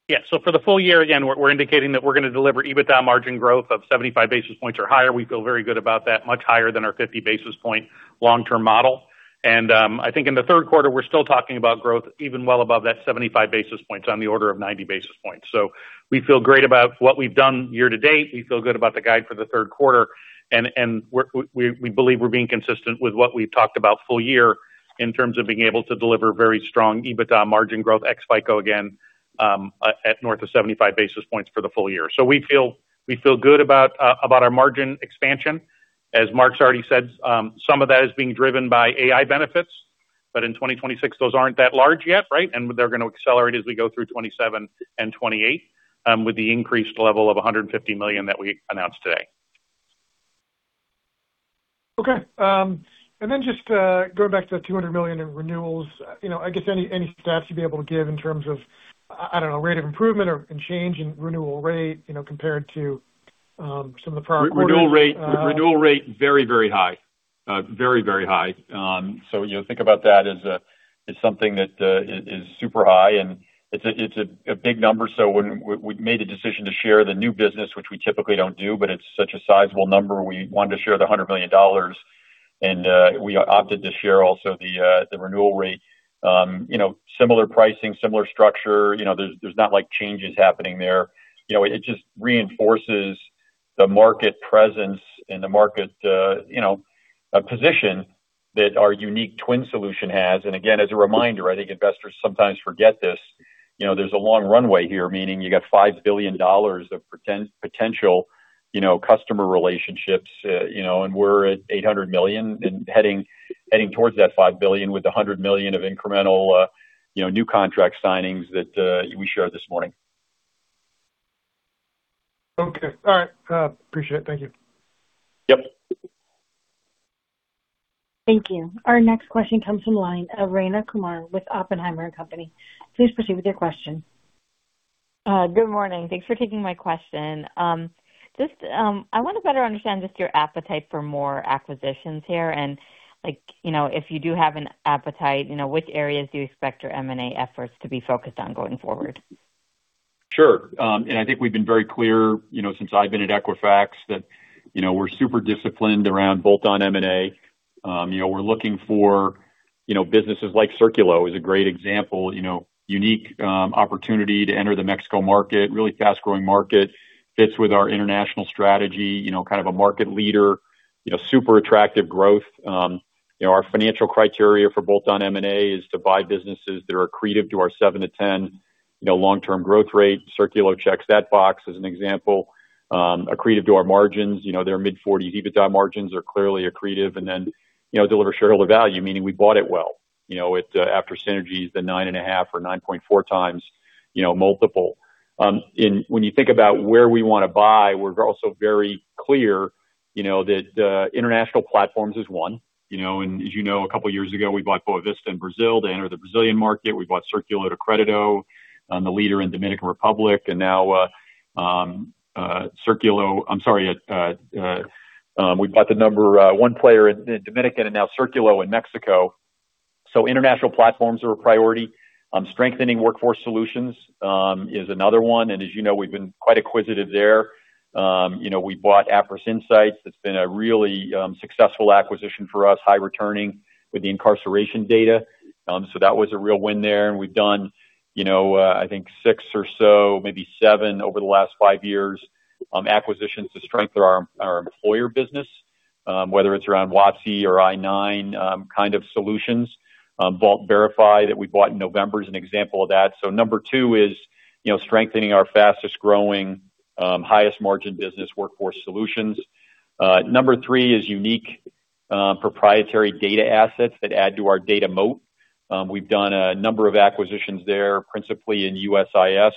Yeah. For the full year, again, we're indicating that we're going to deliver EBITDA margin growth of 75 basis points or higher. We feel very good about that. Much higher than our 50 basis point long-term model. I think in the third quarter, we're still talking about growth even well above that 75 basis points on the order of 90 basis points. We feel great about what we've done year to date. We feel good about the guide for the third quarter, and we believe we're being consistent with what we've talked about full year in terms of being able to deliver very strong EBITDA margin growth ex FICO again at north of 75 basis points for the full year. We feel good about our margin expansion. As Mark's already said, some of that is being driven by AI benefits, but in 2026, those aren't that large yet, right? They're going to accelerate as we go through 2027 and 2028 with the increased level of $150 million that we announced today. Okay. Just going back to that $200 million in renewals, I guess any stats you'd be able to give in terms of, I don't know, rate of improvement or change in renewal rate compared to some of the prior quarters? Think about that as something that is super high, and it's a big number. We made a decision to share the new business, which we typically don't do, but it's such a sizable number. We wanted to share the $100 million, and we opted to share also the renewal rate. Similar pricing, similar structure. There's not like changes happening there. It just reinforces the market presence and the market position that our unique TWN solution has. Again, as a reminder, I think investors sometimes forget this, there's a long runway here, meaning you got $5 billion of potential customer relationships, and we're at $800 million and heading towards that $5 billion with $100 million of incremental new contract signings that we shared this morning. Okay. All right. Appreciate it. Thank you. Yep. Thank you. Our next question comes from the line of Rayna Kumar with Oppenheimer Company. Please proceed with your question. Good morning. Thanks for taking my question. I want to better understand just your appetite for more acquisitions here and if you do have an appetite, which areas do you expect your M&A efforts to be focused on going forward? Sure. I think we've been very clear, since I've been at Equifax that we're super disciplined around bolt-on M&A. We're looking for businesses like Círculo as a great example. Unique opportunity to enter the Mexico market. Really fast-growing market, fits with our international strategy, kind of a market leader, super attractive growth. Our financial criteria for bolt-on M&A is to buy businesses that are accretive to our seven to 10 long-term growth rate. Círculo checks that box as an example. Accretive to our margins. Their mid-40% EBITDA margins are clearly accretive and then deliver shareholder value, meaning we bought it well. After synergies, the 9.5x or 9.4x multiple. When you think about where we want to buy, we're also very clear that international platforms is one. As you know, a couple of years ago, we bought Boa Vista in Brazil to enter the Brazilian market. We bought Círculo de Crédito, the leader in Dominican Republic. We bought the number one player in Dominican, and now Círculo in Mexico. International platforms are a priority. Strengthening Workforce Solutions is another one. As you know, we've been quite acquisitive there. We bought Appriss Insights. That's been a really successful acquisition for us, high returning with the incarceration data. That was a real win there. We've done I think six or so, maybe seven over the last five years, acquisitions to strengthen our employer business, whether it's around WOTC or I-9 kind of solutions. Vault Verify that we bought in November is an example of that. Number two is strengthening our fastest-growing, highest margin business Workforce Solutions. Number three is unique proprietary data assets that add to our data moat. We've done a number of acquisitions there, principally in USIS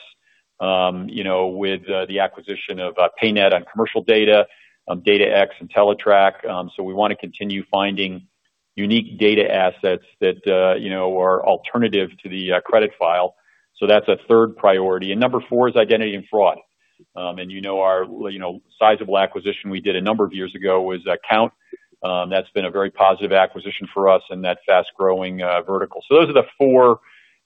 with the acquisition of PayNet on commercial data, DataX, and Teletrack. We want to continue finding unique data assets that are alternative to the credit file. That's a third priority. Number four is identity and fraud. Our sizable acquisition we did a number of years ago was Kount. That's been a very positive acquisition for us in that fast-growing vertical. Those are the four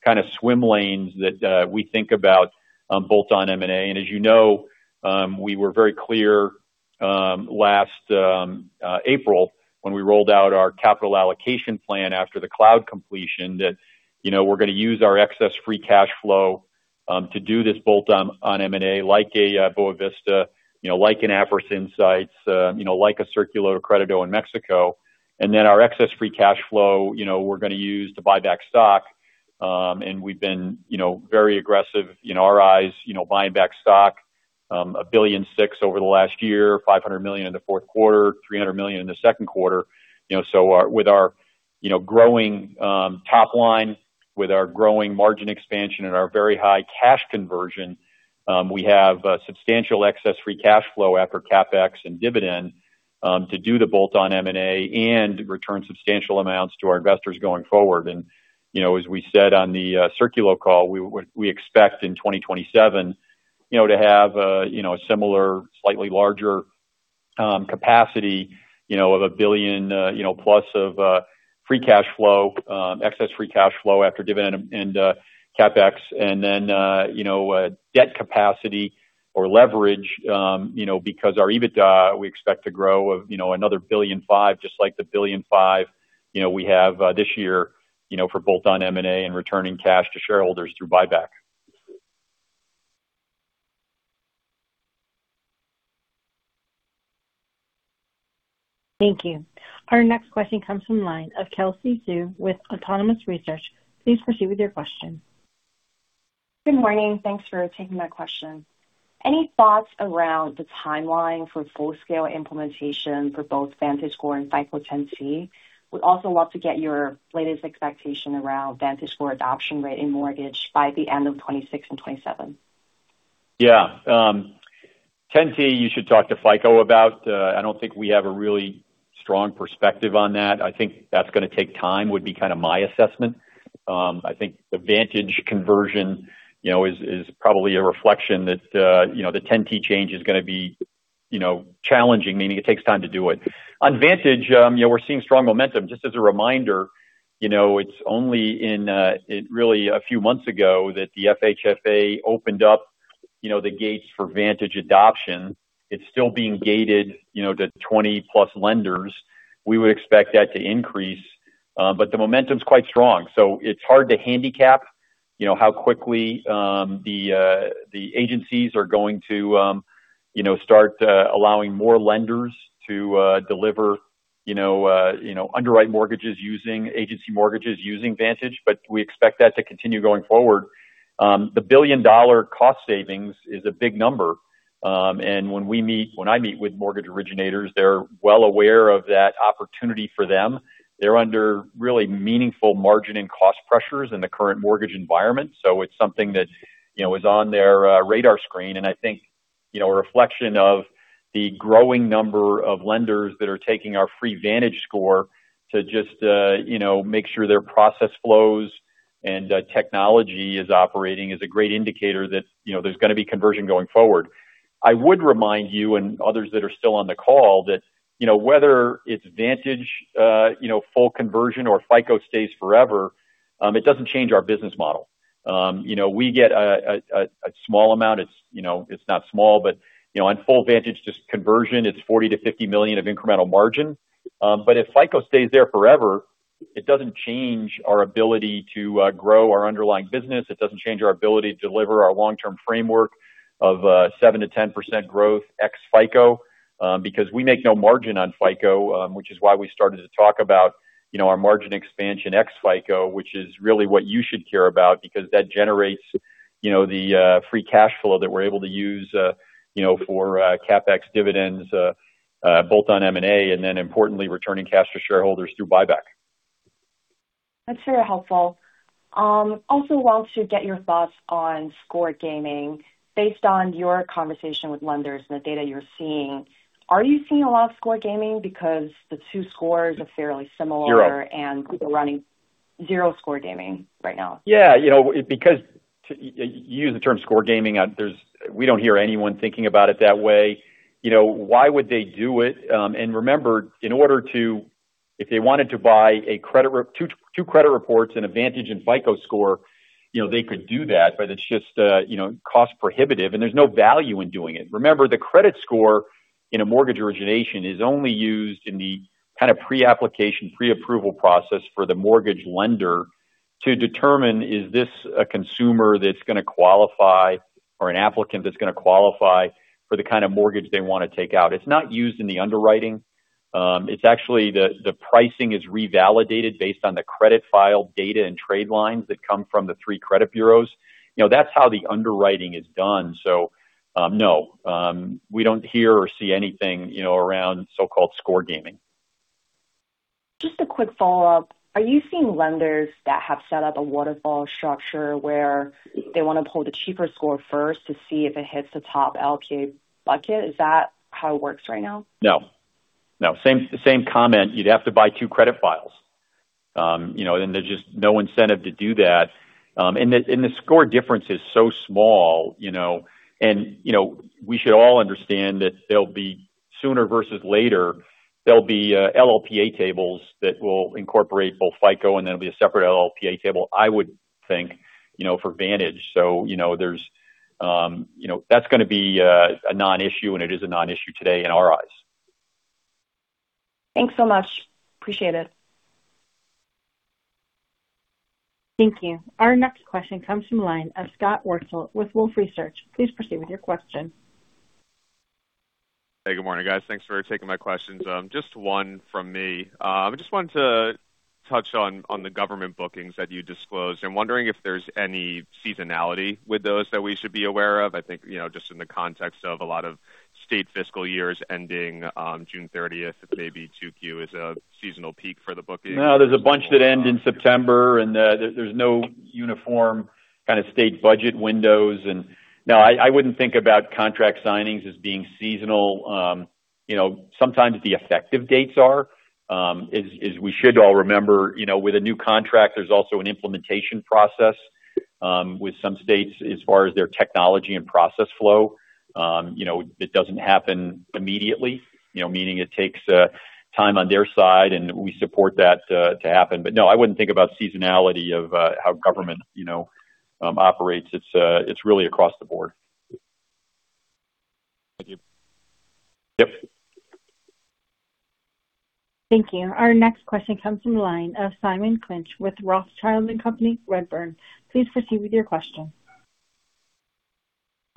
kind of swim lanes that we think about bolt-on M&A. As you know, we were very clear last April when we rolled out our capital allocation plan after the cloud completion that we're going to use our excess free cash flow to do this bolt-on M&A, like a Boa Vista, like an Appriss Insights, like a Círculo de Crédito in Mexico. Our excess free cash flow, we're going to use to buy back stock. We've been very aggressive in our eyes buying back stock. $1.6 billion over the last year, $500 million in the fourth quarter, $300 million in the second quarter. With our growing top line, with our growing margin expansion and our very high cash conversion we have substantial excess free cash flow after CapEx and dividend to do the bolt-on M&A and return substantial amounts to our investors going forward. As we said on the Círculo call, we expect in 2027 to have a similar, slightly larger capacity of $1 billion plus of excess free cash flow after dividend and CapEx. Debt capacity or leverage because our EBITDA, we expect to grow of another $1.5 billion, just like the $1.5 billion we have this year for bolt-on M&A and returning cash to shareholders through buyback. Thank you. Our next question comes from the line of Kelsey Zhu with Autonomous Research. Please proceed with your question. Good morning. Thanks for taking my question. Any thoughts around the timeline for full-scale implementation for both VantageScore and FICO 10T? Would also love to get your latest expectation around VantageScore adoption rate in mortgage by the end of 2026 and 2027. Yeah. 10T you should talk to FICO about. I don't think we have a really strong perspective on that. I think that's going to take time, would be kind of my assessment. I think the Vantage conversion is probably a reflection that the 10T change is going to be challenging, meaning it takes time to do it. On Vantage, we're seeing strong momentum. Just as a reminder, it's only a few months ago that the FHFA opened up the gates for Vantage adoption. It's still being gated to 20+ lenders. We would expect that to increase. The momentum's quite strong, so it's hard to handicap how quickly the agencies are going to start allowing more lenders to underwrite mortgages using agency mortgages, using Vantage, but we expect that to continue going forward. The billion-dollar cost savings is a big number. When I meet with mortgage originators, they're well aware of that opportunity for them. They're under really meaningful margin and cost pressures in the current mortgage environment. It's something that is on their radar screen, and I think a reflection of the growing number of lenders that are taking our free Vantage score to just make sure their process flows and technology is operating, is a great indicator that there's going to be conversion going forward. I would remind you and others that are still on the call that, whether it's Vantage full conversion or FICO stays forever, it doesn't change our business model. We get a small amount. It's not small, but on full Vantage conversion, it's $40 million-$50 million of incremental margin. If FICO stays there forever, it doesn't change our ability to grow our underlying business. It doesn't change our ability to deliver our long-term framework of 7%-10% growth ex FICO, because we make no margin on FICO, which is why we started to talk about our margin expansion ex FICO, which is really what you should care about, because that generates the free cash flow that we're able to use for CapEx dividends both on M&A and then importantly, returning cash to shareholders through buyback. That's very helpful. Also wanted to get your thoughts on score gaming. Based on your conversation with lenders and the data you're seeing, are you seeing a lot of score gaming? The two scores are fairly similar. Zero. People running zero score gaming right now. Yeah. You use the term score gaming, we don't hear anyone thinking about it that way. Why would they do it? Remember, if they wanted to buy two credit reports and a Vantage and FICO score, they could do that, it's just cost prohibitive and there's no value in doing it. Remember, the credit score in a mortgage origination is only used in the pre-application, pre-approval process for the mortgage lender to determine, is this a consumer that's going to qualify or an applicant that's going to qualify for the kind of mortgage they want to take out? It's not used in the underwriting. It's actually the pricing is revalidated based on the credit file data and trade lines that come from the three credit bureaus. That's how the underwriting is done. No, we don't hear or see anything around so-called score gaming. Just a quick follow-up. Are you seeing lenders that have set up a waterfall structure where they want to pull the cheaper score first to see if it hits the top LLPA bucket? Is that how it works right now? No. Same comment. You'd have to buy two credit files. There's just no incentive to do that. The score difference is so small, and we should all understand that there'll be, sooner versus later, there'll be LLPA tables that will incorporate both FICO and there'll be a separate LLPA table, I would think, for Vantage. That's going to be a non-issue, and it is a non-issue today in our eyes. Thanks so much. Appreciate it. Thank you. Our next question comes from the line of Scott Wurtzel with Wolfe Research. Please proceed with your question. Hey, good morning, guys. Thanks for taking my questions. Just one from me. I just wanted to touch on the government bookings that you disclosed. I'm wondering if there's any seasonality with those that we should be aware of. I think, just in the context of a lot of state fiscal years ending on June 30th, it may be 2Q is a seasonal peak for the bookings? No, there's a bunch that end in September, and there's no uniform state budget windows. No, I wouldn't think about contract signings as being seasonal. Sometimes the effective dates are. As we should all remember, with a new contract, there's also an implementation process with some states as far as their technology and process flow. It doesn't happen immediately, meaning it takes time on their side, and we support that to happen. No, I wouldn't think about seasonality of how government operates. It's really across the board. Thank you. Yep. Thank you. Our next question comes from the line of Simon Clinch with Rothschild & Co Redburn. Please proceed with your question.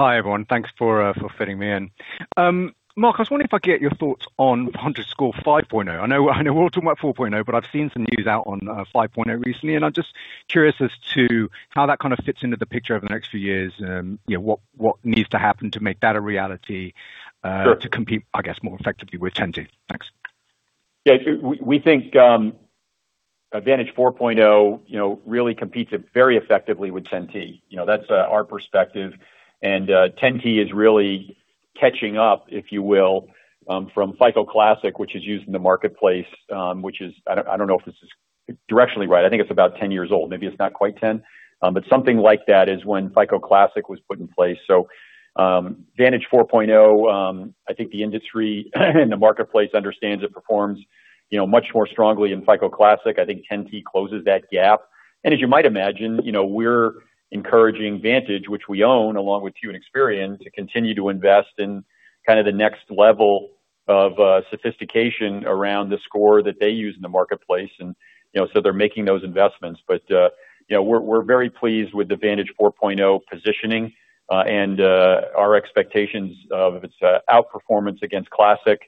Hi, everyone. Thanks for fitting me in. Mark, I was wondering if I could get your thoughts on VantageScore 5.0. I know we're all talking about 4.0, but I've seen some news out on 5.0 recently, and I'm just curious as to how that kind of fits into the picture over the next few years. What needs to happen to make that a reality. Sure. To compete, I guess, more effectively with 10T? Thanks. Yeah. We think VantageScore 4.0 really competes very effectively with FICO 10T. That's our perspective. FICO 10T is really catching up, if you will, from Classic FICO, which is used in the marketplace, which is, I don't know if this is directionally right, I think it's about 10 years old. Maybe it's not quite 10, but something like that is when Classic FICO was put in place. VantageScore 4.0, I think the industry and the marketplace understands it performs much more strongly than Classic FICO. I think FICO 10T closes that gap. As you might imagine, we're encouraging Vantage, which we own, along with few in Experian, to continue to invest in the next level of sophistication around the score that they use in the marketplace, and so they're making those investments. We're very pleased with the VantageScore 4.0 positioning, and our expectations of its outperformance against Classic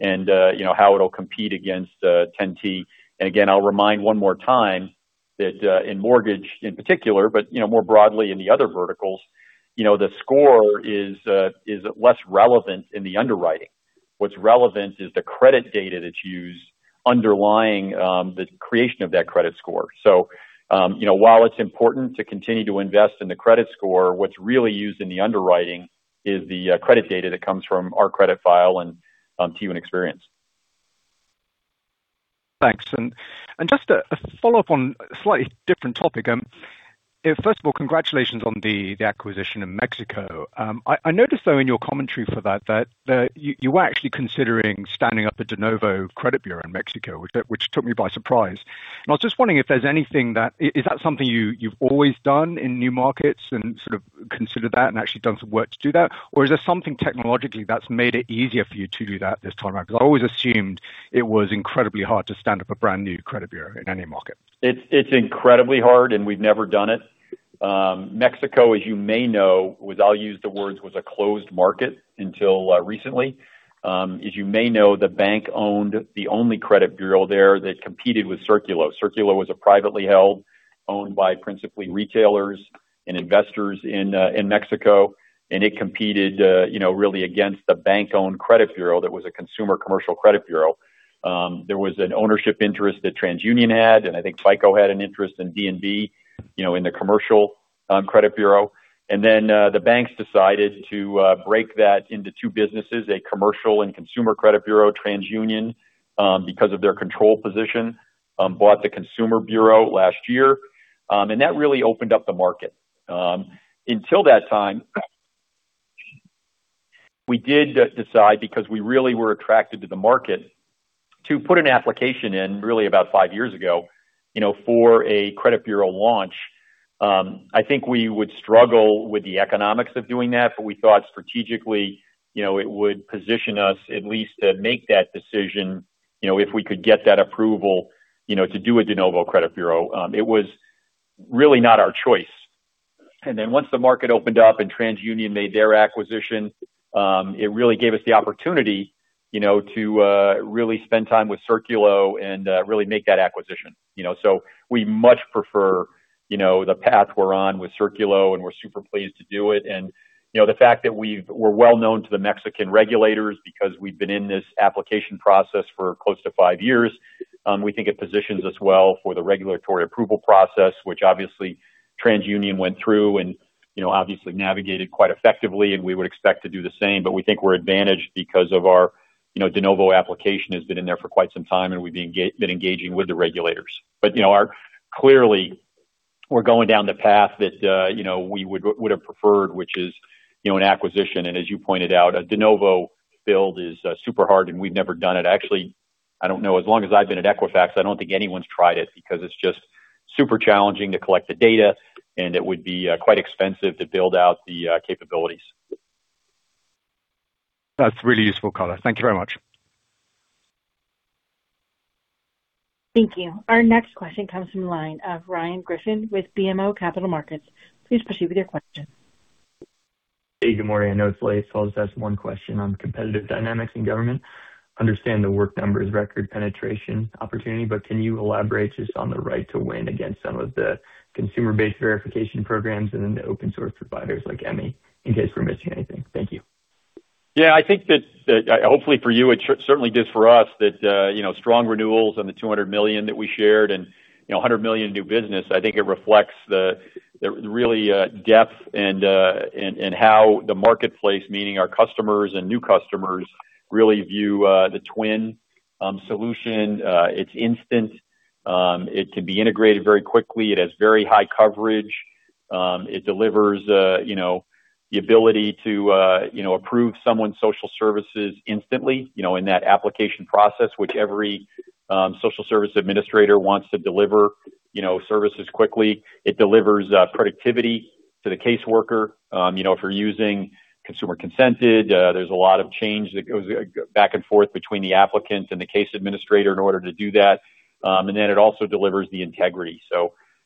and how it'll compete against FICO 10T. Again, I'll remind one more time that in mortgage in particular, but more broadly in the other verticals, the score is less relevant in the underwriting. What's relevant is the credit data that's used underlying the creation of that credit score. While it's important to continue to invest in the credit score, what's really used in the underwriting is the credit data that comes from our credit file and T1 experience. Thanks. Just a follow-up on a slightly different topic. First of all, congratulations on the acquisition in Mexico. I noticed though in your commentary for that, you were actually considering standing up a de novo credit bureau in Mexico, which took me by surprise. I was just wondering if there's anything. Is that something you've always done in new markets and sort of considered that and actually done some work to do that? Or is there something technologically that's made it easier for you to do that this time around? Because I always assumed it was incredibly hard to stand up a brand-new credit bureau in any market. It's incredibly hard, and we've never done it. Mexico, as you may know, I'll use the words, was a closed market until recently. As you may know, the bank owned the only credit bureau there that competed with Círculo. Círculo was a privately held, owned by principally retailers and investors in Mexico, and it competed really against the bank-owned credit bureau that was a consumer commercial credit bureau. There was an ownership interest that TransUnion had, and I think FICO had an interest and D&B in the commercial credit bureau. Then the banks decided to break that into two businesses, a commercial and consumer credit bureau. TransUnion because of their control position bought the consumer bureau last year. That really opened up the market. Until that time, we did decide, because we really were attracted to the market, to put an application in really about five years ago, for a credit bureau launch. I think we would struggle with the economics of doing that, but we thought strategically, it would position us at least to make that decision, if we could get that approval, to do a de novo credit bureau. It was really not our choice. Once the market opened up and TransUnion made their acquisition, it really gave us the opportunity to really spend time with Círculo and really make that acquisition. We much prefer the path we're on with Círculo, and we're super pleased to do it. The fact that we're well-known to the Mexican regulators because we've been in this application process for close to five years, we think it positions us well for the regulatory approval process, which obviously TransUnion went through and obviously navigated quite effectively, and we would expect to do the same. We think we're advantaged because of our de novo application has been in there for quite some time, and we've been engaging with the regulators. Clearly, we're going down the path that we would have preferred, which is an acquisition. As you pointed out, a de novo build is super hard, and we've never done it. Actually, I don't know. As long as I've been at Equifax, I don't think anyone's tried it because it's just super challenging to collect the data, and it would be quite expensive to build out the capabilities. That's really useful, color. Thank you very much. Thank you. Our next question comes from the line of Ryan Griffin with BMO Capital Markets. Please proceed with your question. Hey, good morning. I know it's late. I'll just ask one question on competitive dynamics in government. Understand The Work Number is record penetration opportunity. Can you elaborate just on the right to win against some of the consumer-based verification programs and then the open source providers like Emmi in case we're missing anything? Thank you. I think that hopefully for you, it certainly does for us, that strong renewals on the $200 million that we shared and $100 million in new business. I think it reflects the really depth and how the marketplace, meaning our customers and new customers, really view the TWN solution. It's instant. It can be integrated very quickly. It has very high coverage. It delivers the ability to approve someone's social services instantly in that application process, which every social service administrator wants to deliver services quickly. It delivers productivity to the caseworker. If you're using consumer consented there's a lot of change that goes back and forth between the applicant and the case administrator in order to do that. It also delivers the integrity.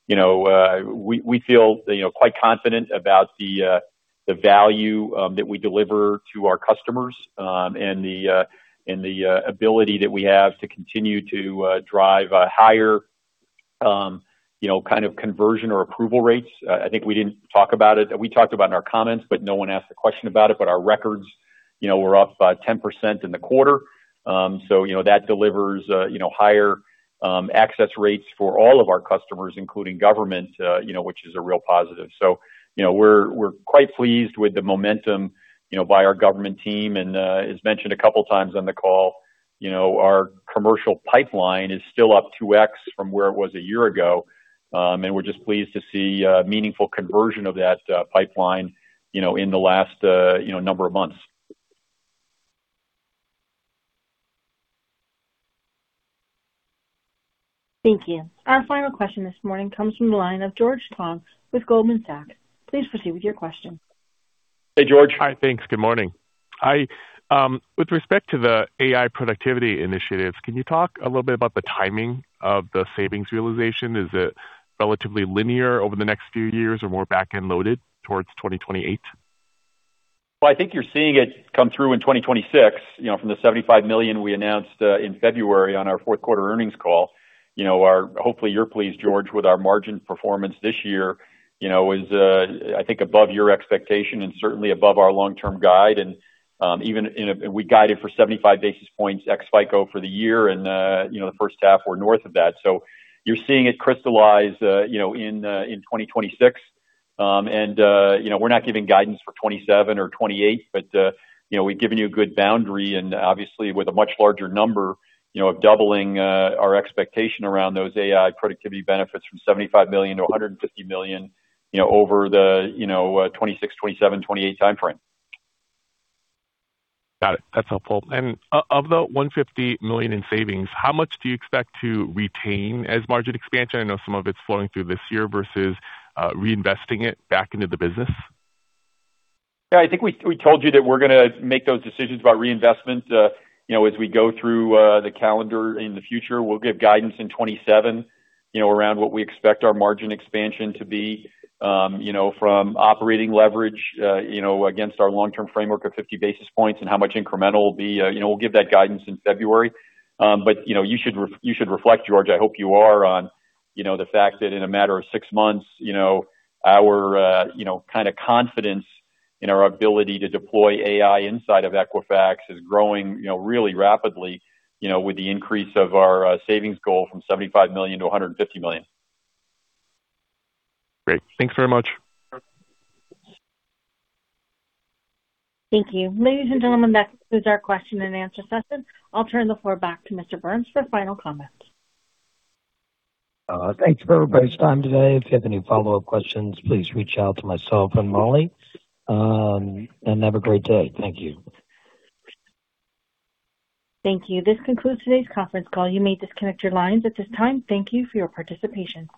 We feel quite confident about the value that we deliver to our customers, and the ability that we have to continue to drive higher conversion or approval rates. I think we didn't talk about it. We talked about it in our comments. No one asked a question about it. Our records were up by 10% in the quarter. That delivers higher access rates for all of our customers, including government, which is a real positive. We're quite pleased with the momentum by our government team. As mentioned a couple times on the call, our commercial pipeline is still up 2x from where it was a year ago. We're just pleased to see meaningful conversion of that pipeline in the last number of months. Thank you. Our final question this morning comes from the line of George Tong with Goldman Sachs. Please proceed with your question. Hey, George. Hi, thanks. Good morning. With respect to the AI productivity initiatives, can you talk a little bit about the timing of the savings realization? Is it relatively linear over the next few years or more back-end loaded towards 2028? Well, I think you're seeing it come through in 2026, from the $75 million we announced in February on our fourth quarter earnings call. Hopefully, you're pleased, George, with our margin performance this year. It was, I think above your expectation and certainly above our long-term guide and even we guided for 75 basis points ex FICO for the year and the first half or north of that. You're seeing it crystallize in 2026. We're not giving guidance for 2027 or 2028, but we've given you a good boundary and obviously with a much larger number, of doubling our expectation around those AI productivity benefits from $75 million-$150 million over the 2026, 2027, 2028 timeframe. Got it. That's helpful. Of the $150 million in savings, how much do you expect to retain as margin expansion? I know some of it's flowing through this year versus reinvesting it back into the business. Yeah, I think we told you that we're going to make those decisions about reinvestment as we go through the calendar in the future. We'll give guidance in 2027 around what we expect our margin expansion to be from operating leverage against our long-term framework of 50 basis points and how much incremental will be. We'll give that guidance in February. You should reflect, George, I hope you are, on the fact that in a matter of six months our kind of confidence in our ability to deploy AI inside of Equifax is growing really rapidly, with the increase of our savings goal from $75 million-$150 million. Great. Thanks very much. Thank you. Ladies and gentlemen, that concludes our question-and-answer session. I'll turn the floor back to Mr. Burns for final comments. Thanks for everybody's time today. If you have any follow-up questions, please reach out to myself and Molly. Have a great day. Thank you. Thank you. This concludes today's conference call. You may disconnect your lines at this time. Thank you for your participation.